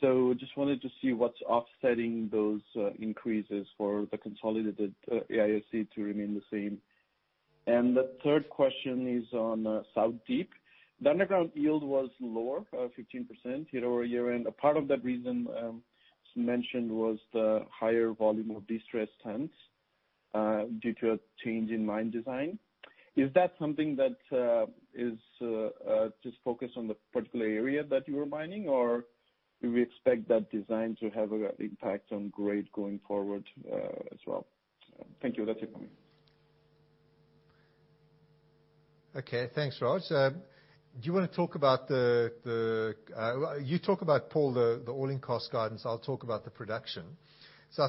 Just wanted to see what's offsetting those increases for the consolidated AISC to remain the same. The third question is on South Deep. The underground yield was lower, 15% year-over-year. A part of that reason mentioned was the higher volume of destressed tons due to a change in mine design. Is that something that is just focused on the particular area that you were mining, or do we expect that design to have an impact on grade going forward as well? Thank you. That's it for me. Okay. Thanks, Raj. You talk about, Paul, the all-in cost guidance. I'll talk about the production. Yeah.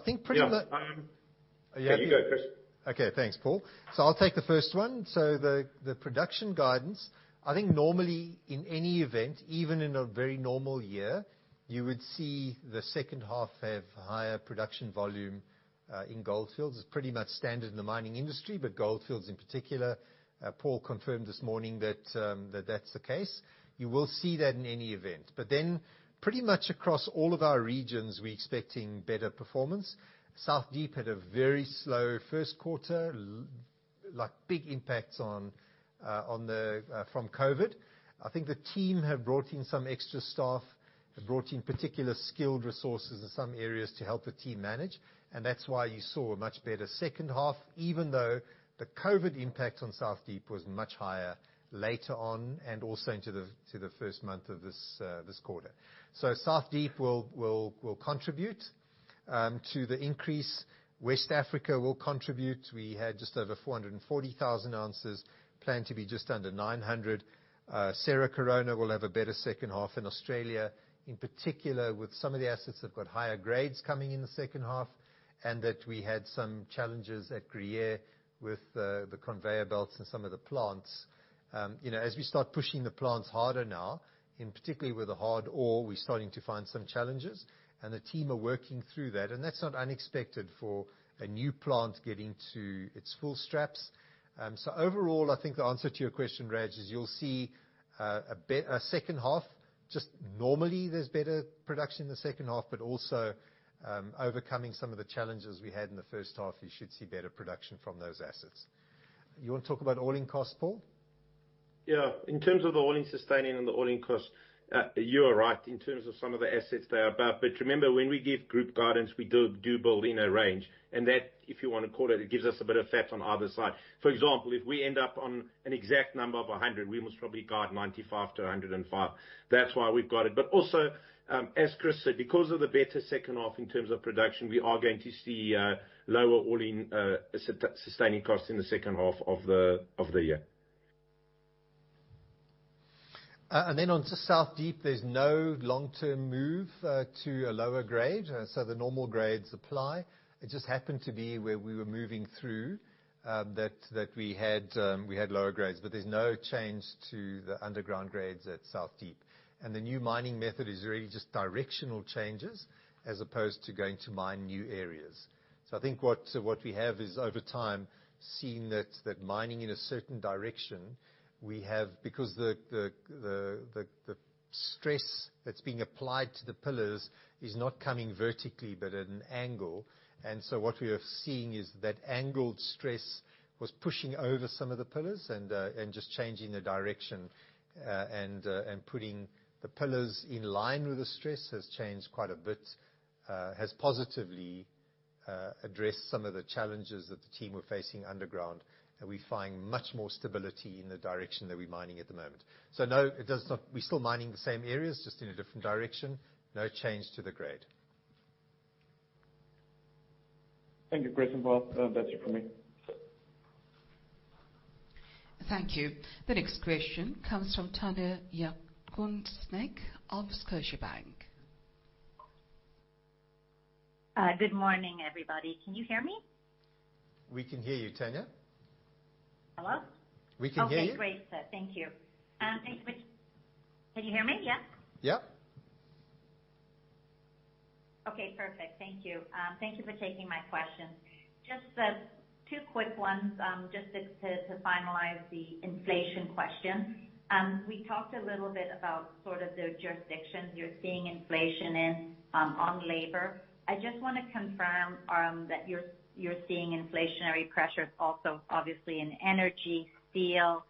You go, Chris. Okay. Thanks, Paul. I'll take the first one. The production guidance, I think normally in any event, even in a very normal year, you would see the second half have higher production volume in Gold Fields. It's pretty much standard in the mining industry, but Gold Fields in particular, Paul confirmed this morning that's the case. You will see that in any event. Pretty much across all of our regions, we're expecting better performance. South Deep had a very slow first quarter, big impacts from COVID-19. I think the team have brought in some extra staff, have brought in particular skilled resources in some areas to help the team manage, and that's why you saw a much better second half, even though the COVID-19 impact on South Deep was much higher later on, and also into the first month of this quarter. South Deep will contribute to the increase. West Africa will contribute. We had just over 440,000 ounces, plan to be just under 900. Cerro Corona will have a better second half in Australia, in particular with some of the assets that have got higher grades coming in the second half, and that we had some challenges at Gruyere with the conveyor belts and some of the plants. As we start pushing the plants harder now, in particular with the hard ore, we're starting to find some challenges, and the team are working through that. That's not unexpected for a new plant getting to its full stride. Overall, I think the answer to your question, Raj, is you'll see a second half, just normally there's better production in the second half, but also overcoming some of the challenges we had in the first half, you should see better production from those assets. You want to talk about all-in cost, Paul? Yeah. In terms of the all-in sustaining and the all-in cost, you are right in terms of some of the assets they are above. Remember, when we give group guidance, we do build in a range. That, if you want to call it gives us a bit of fat on either side. For example, if we end up on an exact number of 100, we must probably guide 95 to 105. That's why we've got it. Also, as Chris said, because of the better second half in terms of production, we are going to see lower all-in sustaining costs in the second half of the year. On to South Deep, there's no long-term move to a lower grade, so the normal grades apply. It just happened to be where we were moving through, that we had lower grades. There's no change to the underground grades at South Deep. The new mining method is really just directional changes as opposed to going to mine new areas. I think what we have is over time seeing that mining in a certain direction, we have because the stress that's being applied to the pillars is not coming vertically but at an angle. What we are seeing is that angled stress was pushing over some of the pillars and just changing the direction, and putting the pillars in line with the stress has changed quite a bit, has positively addressed some of the challenges that the team were facing underground. We find much more stability in the direction that we're mining at the moment. No, we're still mining the same areas, just in a different direction. No change to the grade. Thank you, Chris and Paul. That's it from me. Thank you. The next question comes from Tanya Jakusconek of Scotiabank. Good morning, everybody. Can you hear me? We can hear you, Tanya. Hello? We can hear you. Okay, great. Thank you. Can you hear me, yeah? Yeah. Okay, perfect. Thank you. Thank you for taking my question. Just two quick ones, just to finalize the inflation question. We talked a little bit about sort of the jurisdictions you're seeing inflation in on labor. I just want to confirm that you're seeing inflationary pressures also obviously in energy, steel,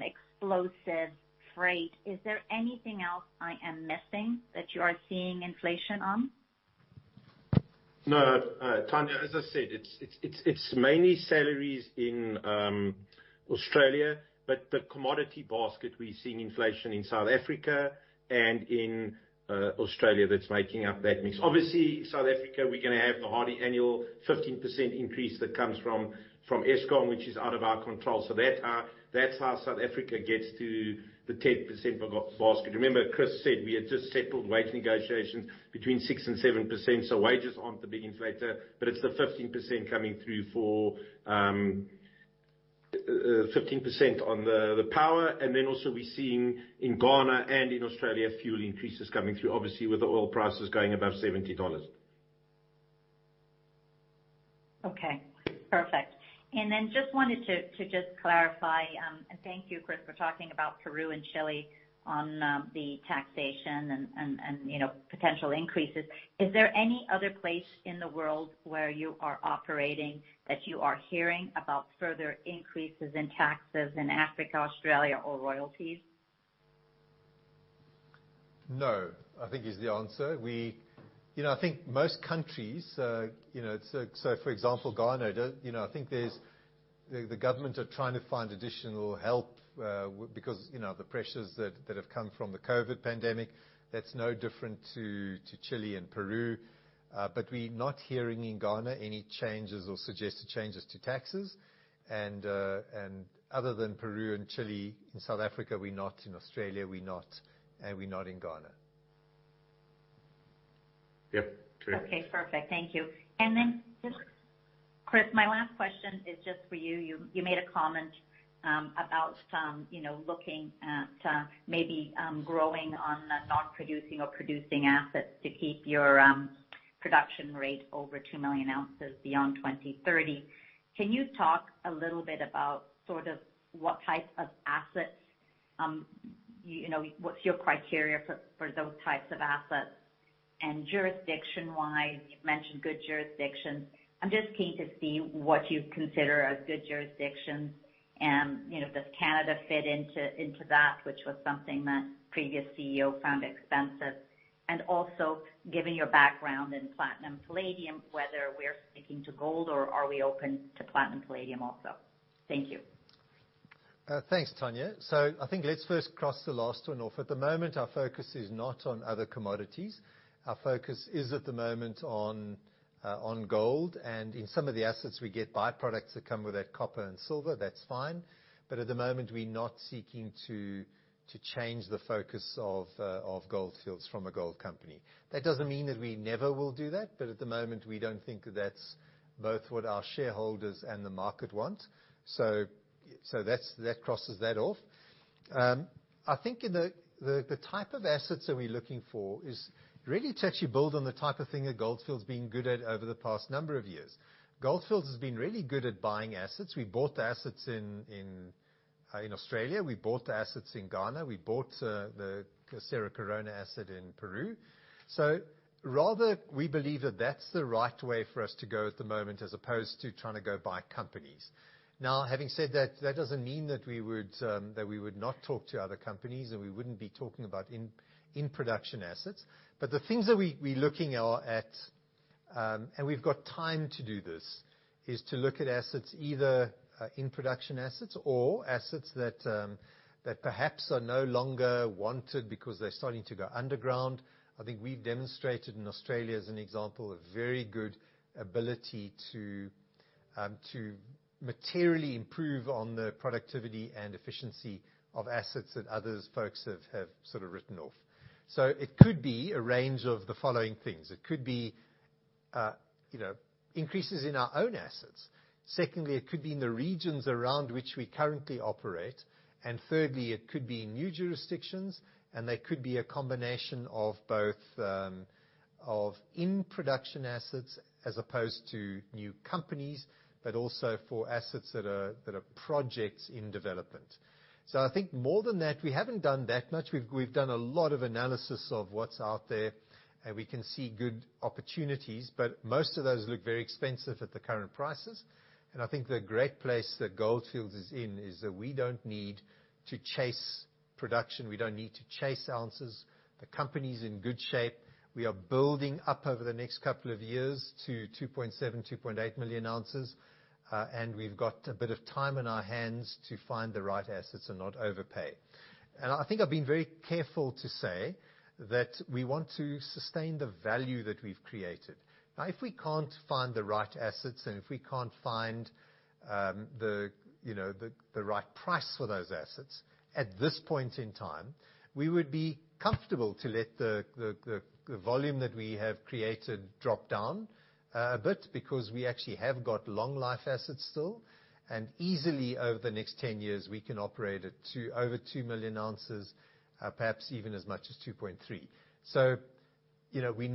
explosives, freight. Is there anything else I am missing that you are seeing inflation on? No, Tanya, as I said, it's mainly salaries in Australia. The commodity basket, we're seeing inflation in South Africa and in Australia that's making up that mix. Obviously, South Africa, we're going to have the hardy annual 15% increase that comes from Eskom, which is out of our control. That's how South Africa gets to the 10% basket. Remember, Chris said we had just settled wage negotiations between 6% and 7%. Wages aren't the big inflator. It's the 15% coming through for 15% on the power. Also, we're seeing in Ghana and in Australia, fuel increases coming through, obviously with the oil prices going above $70. Okay. Perfect. I wanted to clarify, and thank you, Chris, for talking about Peru and Chile on the taxation and potential increases. Is there any other place in the world where you are operating that you are hearing about further increases in taxes in Africa, Australia, or royalties? No, I think is the answer. I think most countries, for example, Ghana, I think the government are trying to find additional help because the pressures that have come from the COVID pandemic, that's no different to Chile and Peru. But we're not hearing in Ghana any changes or suggested changes to taxes. Other than Peru and Chile, in South Africa, we're not, in Australia, we're not, and we're not in Ghana. Yep. Clearly. Okay, perfect. Thank you. Then just, Chris, my last question is for you. You made a comment about looking at maybe growing on non-producing or producing assets to keep your production rate over 2 million ounces beyond 2030. Can you talk a little bit about sort of what type of assets, what's your criteria for those types of assets? Jurisdiction-wise, you've mentioned good jurisdictions. I'm just keen to see what you consider a good jurisdiction. Does Canada fit into that, which was something that previous CEO found expensive? Also given your background in platinum palladium, whether we're sticking to gold or are we open to platinum palladium also? Thank you. Thanks, Tanya. I think let's first cross the last one off. At the moment, our focus is not on other commodities. Our focus is at the moment on gold and in some of the assets we get by-products that come with that copper and silver, that's fine. At the moment, we're not seeking to change the focus of Gold Fields from a gold company. That doesn't mean that we never will do that, but at the moment, we don't think that's both what our shareholders and the market want. That crosses that off. I think the type of assets that we're looking for is really to actually build on the type of thing that Gold Fields's been good at over the past number of years. Gold Fields has been really good at buying assets. We bought the assets in Australia, we bought the assets in Ghana, we bought the Cerro Corona asset in Peru. Rather, we believe that that's the right way for us to go at the moment as opposed to trying to go buy companies. Now, having said that doesn't mean that we would not talk to other companies and we wouldn't be talking about in-production assets. The things that we're looking are at, and we've got time to do this, is to look at assets, either in-production assets or assets that perhaps are no longer wanted because they're starting to go underground. I think we've demonstrated in Australia, as an example, a very good ability to materially improve on the productivity and efficiency of assets that others folks have sort of written off. It could be a range of the following things. It could be increases in our own assets. Secondly, it could be in the regions around which we currently operate. Thirdly, it could be new jurisdictions and they could be a combination of both of in-production assets as opposed to new companies, but also for assets that are projects in development. I think more than that, we haven't done that much. We've done a lot of analysis of what's out there, and we can see good opportunities, but most of those look very expensive at the current prices. I think the great place that Gold Fields is in is that we don't need to chase production, we don't need to chase ounces. The company's in good shape. We are building up over the next couple of years to 2.7, 2.8 million ounces. We've got a bit of time on our hands to find the right assets and not overpay. I think I've been very careful to say that we want to sustain the value that we've created. Now, if we can't find the right assets and if we can't find the right price for those assets at this point in time, we would be comfortable to let the volume that we have created drop down a bit because we actually have got long life assets still, and easily over the next 10 years, we can operate at over 2 million ounces, perhaps even as much as 2.3. We're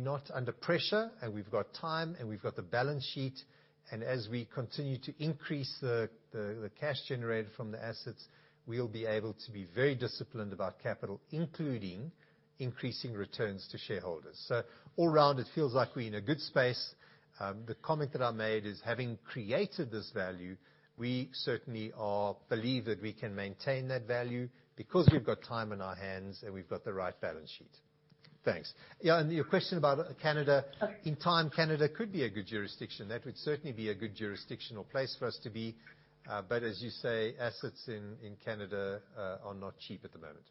not under pressure, and we've got time and we've got the balance sheet, and as we continue to increase the cash generated from the assets, we'll be able to be very disciplined about capital, including increasing returns to shareholders. All round, it feels like we're in a good space. The comment that I made is having created this value, we certainly believe that we can maintain that value because we've got time on our hands and we've got the right balance sheet. Thanks. Your question about Canada. Okay. In time, Canada could be a good jurisdiction. That would certainly be a good jurisdictional place for us to be. As you say, assets in Canada are not cheap at the moment.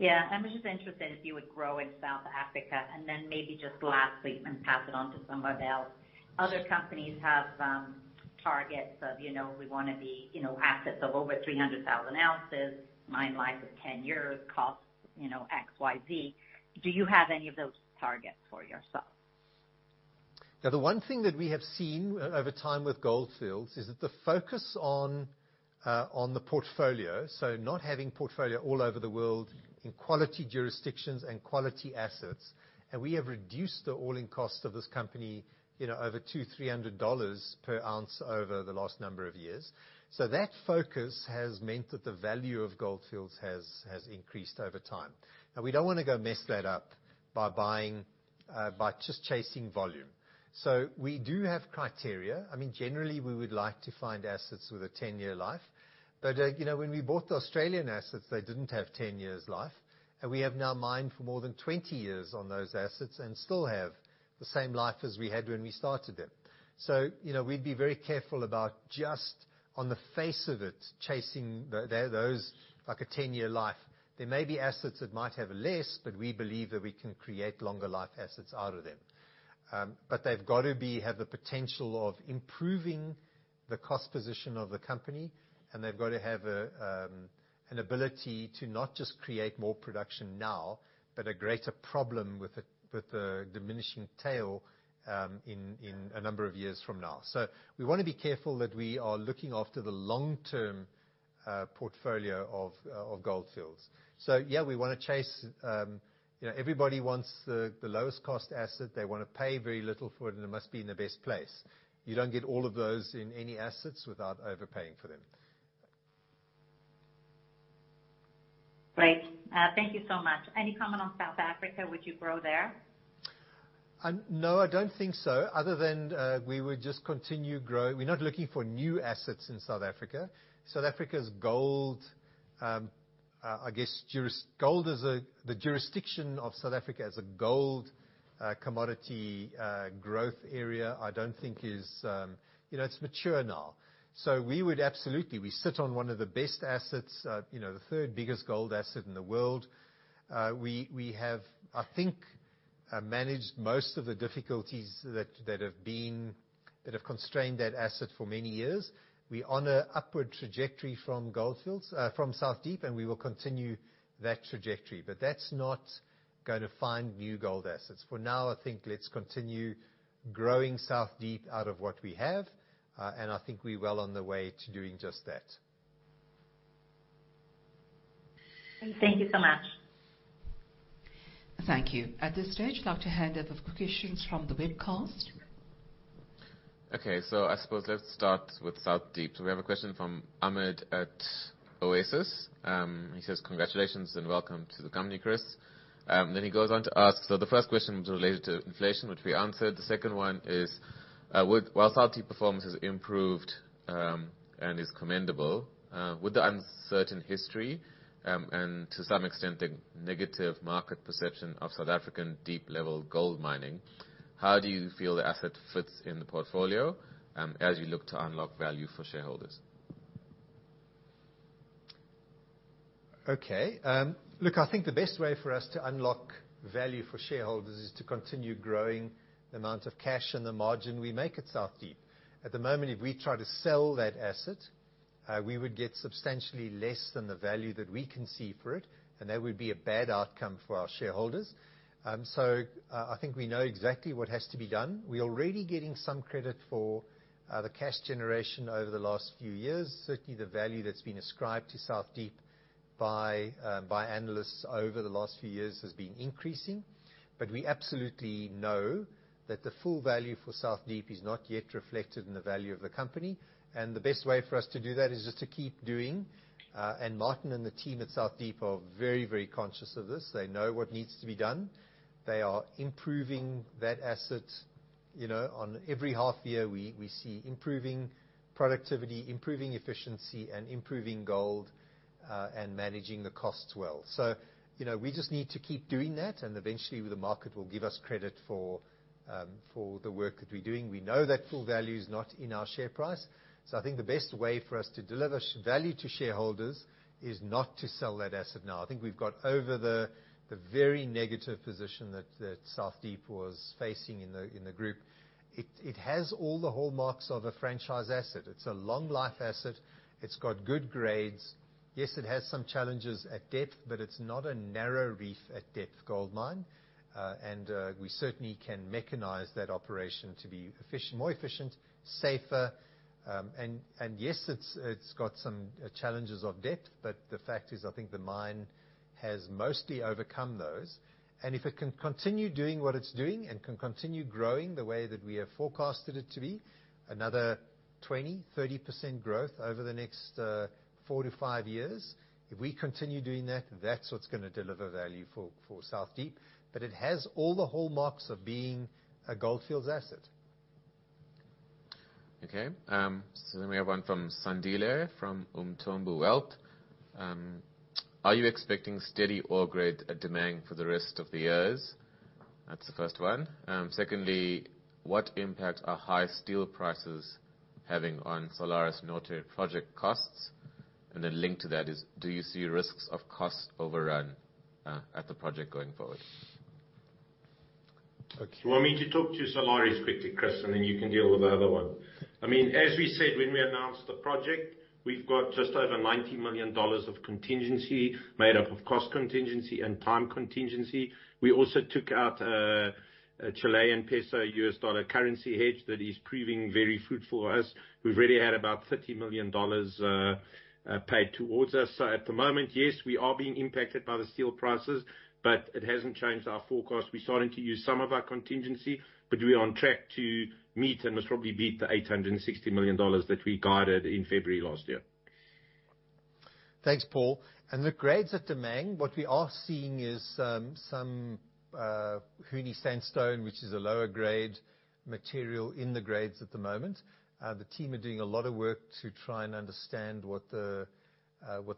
Yeah. I was just interested if you would grow in South Africa and then maybe just lastly, and pass it on to somebody else. Other companies have targets of, we want to be assets of over 300,000 ounces, mine life of 10 years, cost XYZ. Do you have any of those targets for yourself? The one thing that we have seen over time with Gold Fields is that the focus on the portfolio, so not having portfolio all over the world in quality jurisdictions and quality assets, and we have reduced the all-in cost of this company, over $200, $300 per ounce over the last number of years. That focus has meant that the value of Gold Fields has increased over time. We don't want to go mess that up by just chasing volume. We do have criteria. I mean, generally, we would like to find assets with a 10-year life. When we bought the Australian assets, they didn't have 10 years life, and we have now mined for more than 20 years on those assets and still have the same life as we had when we started them. We'd be very careful about just on the face of it, chasing those like a 10-year life. There may be assets that might have less, but we believe that we can create longer life assets out of them. They've got to have the potential of improving the cost position of the company, and they've got to have an ability to not just create more production now, but a greater problem with the diminishing tail in a number of years from now. We want to be careful that we are looking after the long-term portfolio of Gold Fields. Yeah, we want to chase, everybody wants the lowest cost asset. They want to pay very little for it, and it must be in the best place. You don't get all of those in any assets without overpaying for them. Great. Thank you so much. Any comment on South Africa? Would you grow there? No, I don't think so, other than we would just continue growing. We're not looking for new assets in South Africa. South Africa's gold, the jurisdiction of South Africa as a gold commodity growth area, I don't think it's mature now. We would absolutely. We sit on one of the best assets, the third biggest gold asset in the world. We have, I think, managed most of the difficulties that have constrained that asset for many years. We're on a upward trajectory from Gold Fields, from South Deep, and we will continue that trajectory. That's not going to find new gold assets. For now, I think let's continue growing South Deep out of what we have, and I think we're well on the way to doing just that. Thank you so much. Thank you. At this stage, I'd like to hand over quick questions from the webcast. I suppose let's start with South Deep. We have a question from Ahmed at Oasis. He says, "Congratulations and welcome to the company, Chris." He goes on to ask, the first question was related to inflation, which we answered. The second one is, while South Deep performance has improved and is commendable, with the uncertain history, and to some extent, the negative market perception of South African deep-level gold mining, how do you feel the asset fits in the portfolio, as you look to unlock value for shareholders? Okay. Look, I think the best way for us to unlock value for shareholders is to continue growing the amount of cash and the margin we make at South Deep. At the moment, if we try to sell that asset, we would get substantially less than the value that we can see for it, and that would be a bad outcome for our shareholders. I think we know exactly what has to be done. We are already getting some credit for the cash generation over the last few years. Certainly, the value that has been ascribed to South Deep by analysts over the last few years has been increasing. We absolutely know that the full value for South Deep is not yet reflected in the value of the company. The best way for us to do that is just to keep doing. Martin and the team at South Deep are very conscious of this. They know what needs to be done. They are improving that asset. On every half year, we see improving productivity, improving efficiency, and improving gold, and managing the costs well. We just need to keep doing that, and eventually, the market will give us credit for the work that we're doing. We know that full value is not in our share price. I think the best way for us to deliver value to shareholders is not to sell that asset now. I think we've got over the very negative position that South Deep was facing in the group. It has all the hallmarks of a franchise asset. It's a long life asset. It's got good grades. Yes, it has some challenges at depth, but it's not a narrow reef at depth gold mine. We certainly can mechanize that operation to be more efficient, safer. Yes, it's got some challenges of depth, but the fact is, I think the mine has mostly overcome those. If it can continue doing what it's doing and can continue growing the way that we have forecasted it to be, another 20%-30% growth over the next 4 to 5 years, if we continue doing that's what's going to deliver value for South Deep. It has all the hallmarks of being a Gold Fields asset. We have one from Sandile, from Umthombo Wealth. Are you expecting steady ore grade at Damang for the rest of the years? That's the first one. Secondly, what impact are high steel prices having on Salares Norte project costs? Linked to that is, do you see risks of cost overrun at the project going forward? Okay. You want me to talk to Salares quickly, Chris, and then you can deal with the other one. As we said when we announced the project, we've got just over $90 million of contingency made up of cost contingency and time contingency. We also took out a Chilean peso/USD currency hedge that is proving very fruitful for us. We've already had about $30 million paid towards us. At the moment, yes, we are being impacted by the steel prices, but it hasn't changed our forecast. We're starting to use some of our contingency, but we're on track to meet and most probably beat the $860 million that we guided in February last year. Thanks, Paul. The grades at Damang, what we are seeing is some Huni Sandstone, which is a lower-grade material in the grades at the moment. The team are doing a lot of work to try and understand what the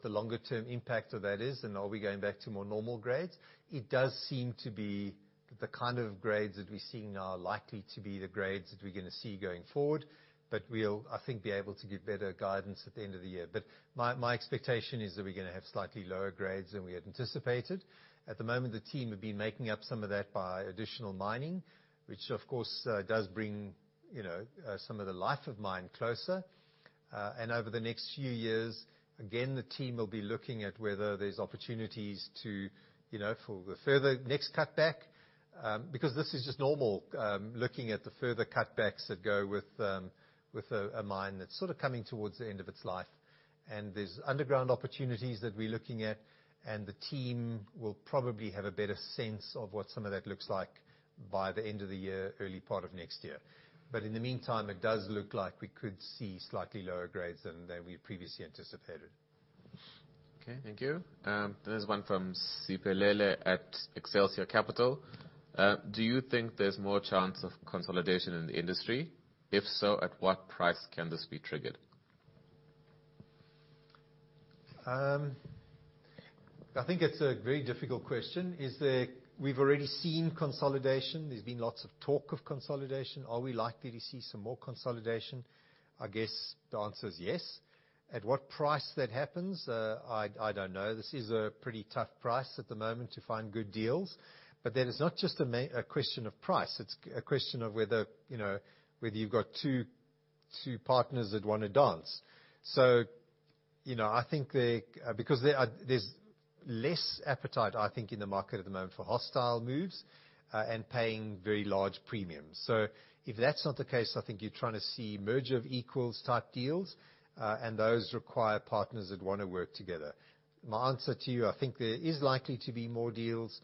longer-term impact of that is and are we going back to more normal grades. It does seem to be the kind of grades that we're seeing now are likely to be the grades that we're going to see going forward. We'll, I think, be able to give better guidance at the end of the year. My expectation is that we're going to have slightly lower grades than we had anticipated. At the moment, the team have been making up some of that by additional mining, which of course, does bring some of the life of mine closer. Over the next few years, again, the team will be looking at whether there's opportunities for the further next cutback. This is just normal, looking at the further cutbacks that go with a mine that's sort of coming towards the end of its life. There's underground opportunities that we're looking at, and the team will probably have a better sense of what some of that looks like by the end of the year, early part of next year. In the meantime, it does look like we could see slightly lower grades than we had previously anticipated. Okay, thank you. There's one from Siphelele at Excelsia Capital. Do you think there's more chance of consolidation in the industry? If so, at what price can this be triggered? I think it's a very difficult question, is that we've already seen consolidation. There's been lots of talk of consolidation. Are we likely to see some more consolidation? I guess the answer is yes. At what price that happens, I don't know. This is a pretty tough price at the moment to find good deals, but that is not just a question of price. It's a question of whether you've got two partners that want to dance. I think because there's less appetite, I think, in the market at the moment for hostile moves and paying very large premiums. If that's not the case, I think you're trying to see merger of equals type deals. Those require partners that want to work together. My answer to you, I think there is likely to be more deals,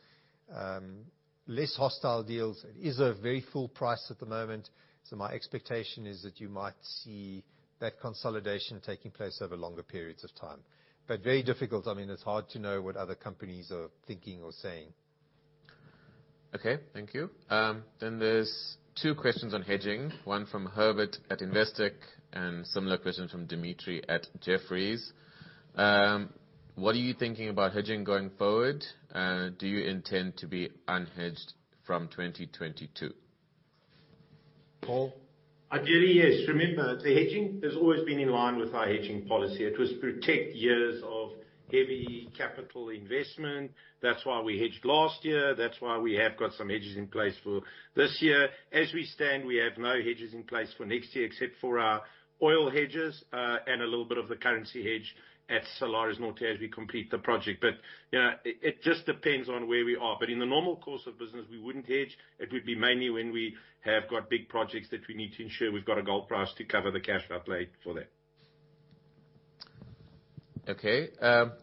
less hostile deals. It is a very full price at the moment. My expectation is that you might see that consolidation taking place over longer periods of time. Very difficult. I mean, it's hard to know what other companies are thinking or saying. Okay, thank you. There's 2 questions on hedging. One from Herbert at Investec and similar question from Dimitri at Jefferies. What are you thinking about hedging going forward? Do you intend to be unhedged from 2022? Paul? I do, yes. Remember, the hedging has always been in line with our hedging policy. It was protect years of heavy capital investment. That's why we hedged last year. That's why we have got some hedges in place for this year. As we stand, we have no hedges in place for next year except for our oil hedges, and a little bit of the currency hedge at Salares Norte as we complete the project. It just depends on where we are, but in the normal course of business, we wouldn't hedge. It would be mainly when we have got big projects that we need to ensure we've got a gold price to cover the cash outlay for that. Okay.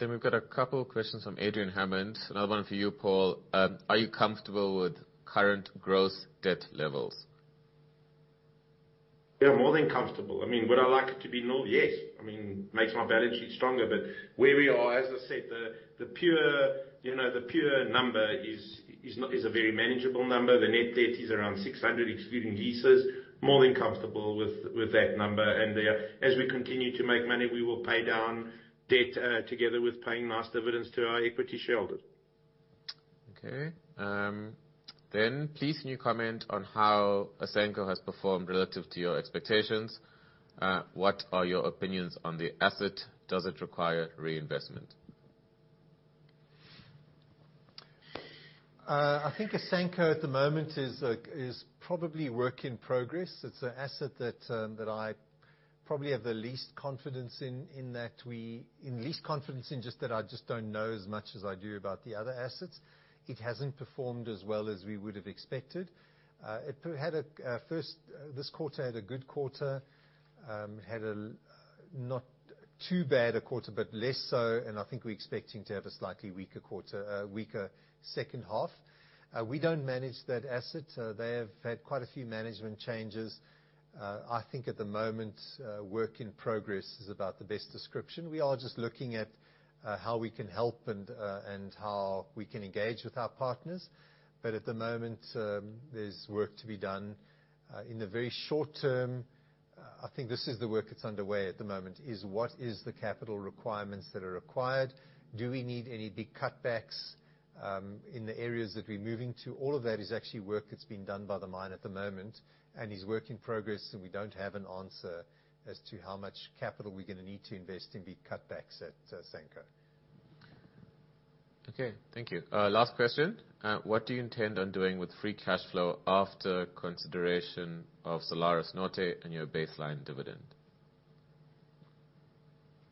We've got a couple questions from Adrian Hammond. Another one for you, Paul. Are you comfortable with current gross debt levels? Yeah, more than comfortable. I mean, would I like it to be nil? Yes. It makes my balance sheet stronger. Where we are, as I said, the pure number is a very manageable number. The net debt is around $600, excluding leases. More than comfortable with that number. As we continue to make money, we will pay down debt, together with paying nice dividends to our equity shareholders. Okay. Please can you comment on how Asanko has performed relative to your expectations? What are your opinions on the asset? Does it require reinvestment? I think Asanko at the moment is probably work in progress. It's an asset that I probably have the least confidence in just that I just don't know as much as I do about the other assets. It hasn't performed as well as we would have expected. This quarter had a good quarter, had a not too bad a quarter, less so. I think we're expecting to have a slightly weaker second half. We don't manage that asset. They have had quite a few management changes. I think at the moment, work in progress is about the best description. We are just looking at how we can help and how we can engage with our partners. At the moment, there's work to be done. In the very short term, I think this is the work that's underway at the moment, is what is the capital requirements that are required? Do we need any big cutbacks in the areas that we're moving to? All of that is actually work that's being done by the mine at the moment, and is work in progress, and we don't have an answer as to how much capital we're going to need to invest in big cutbacks at Asanko. Okay, thank you. Last question. What do you intend on doing with free cash flow after consideration of Salares Norte and your baseline dividend?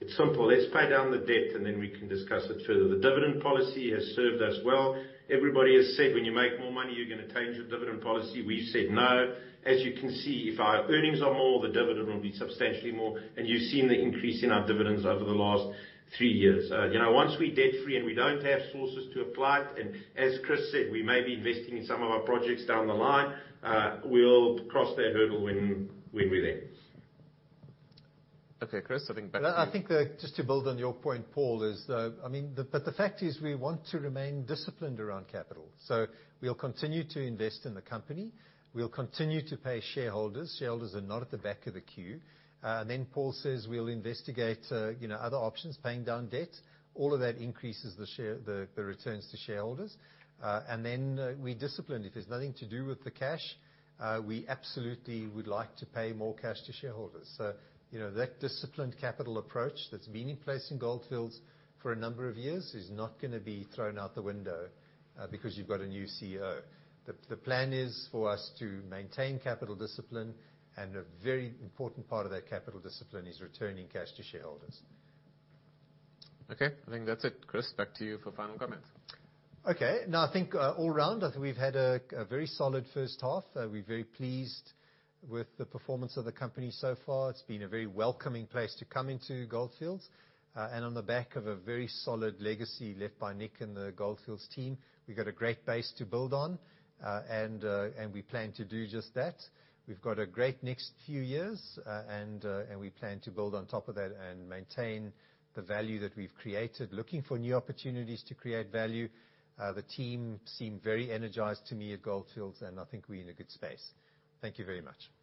It's simple. Let's pay down the debt, and then we can discuss it further. The dividend policy has served us well. Everybody has said when you make more money, you're going to change your dividend policy. We've said no. As you can see, if our earnings are more, the dividend will be substantially more, and you've seen the increase in our dividends over the last three years. Once we're debt-free and we don't have sources to apply it, and as Chris said, we may be investing in some of our projects down the line. We'll cross that hurdle when we're there. Okay, Chris, I think back to you. I think just to build on your point, Paul, the fact is we want to remain disciplined around capital. We'll continue to invest in the company. We'll continue to pay shareholders. Shareholders are not at the back of the queue. Paul says we'll investigate other options, paying down debt. All of that increases the returns to shareholders. Then we're disciplined. If it's nothing to do with the cash, we absolutely would like to pay more cash to shareholders. That disciplined capital approach that's been in place in Gold Fields for a number of years is not going to be thrown out the window because you've got a new CEO. The plan is for us to maintain capital discipline, and a very important part of that capital discipline is returning cash to shareholders. Okay, I think that's it. Chris, back to you for final comments. Okay. No, I think all round, I think we've had a very solid first half. We're very pleased with the performance of the company so far. It's been a very welcoming place to come into Gold Fields. On the back of a very solid legacy left by Nick and the Gold Fields team, we've got a great base to build on. We plan to do just that. We've got a great next few years, and we plan to build on top of that and maintain the value that we've created, looking for new opportunities to create value. The team seem very energized to me at Gold Fields, and I think we're in a good space. Thank you very much.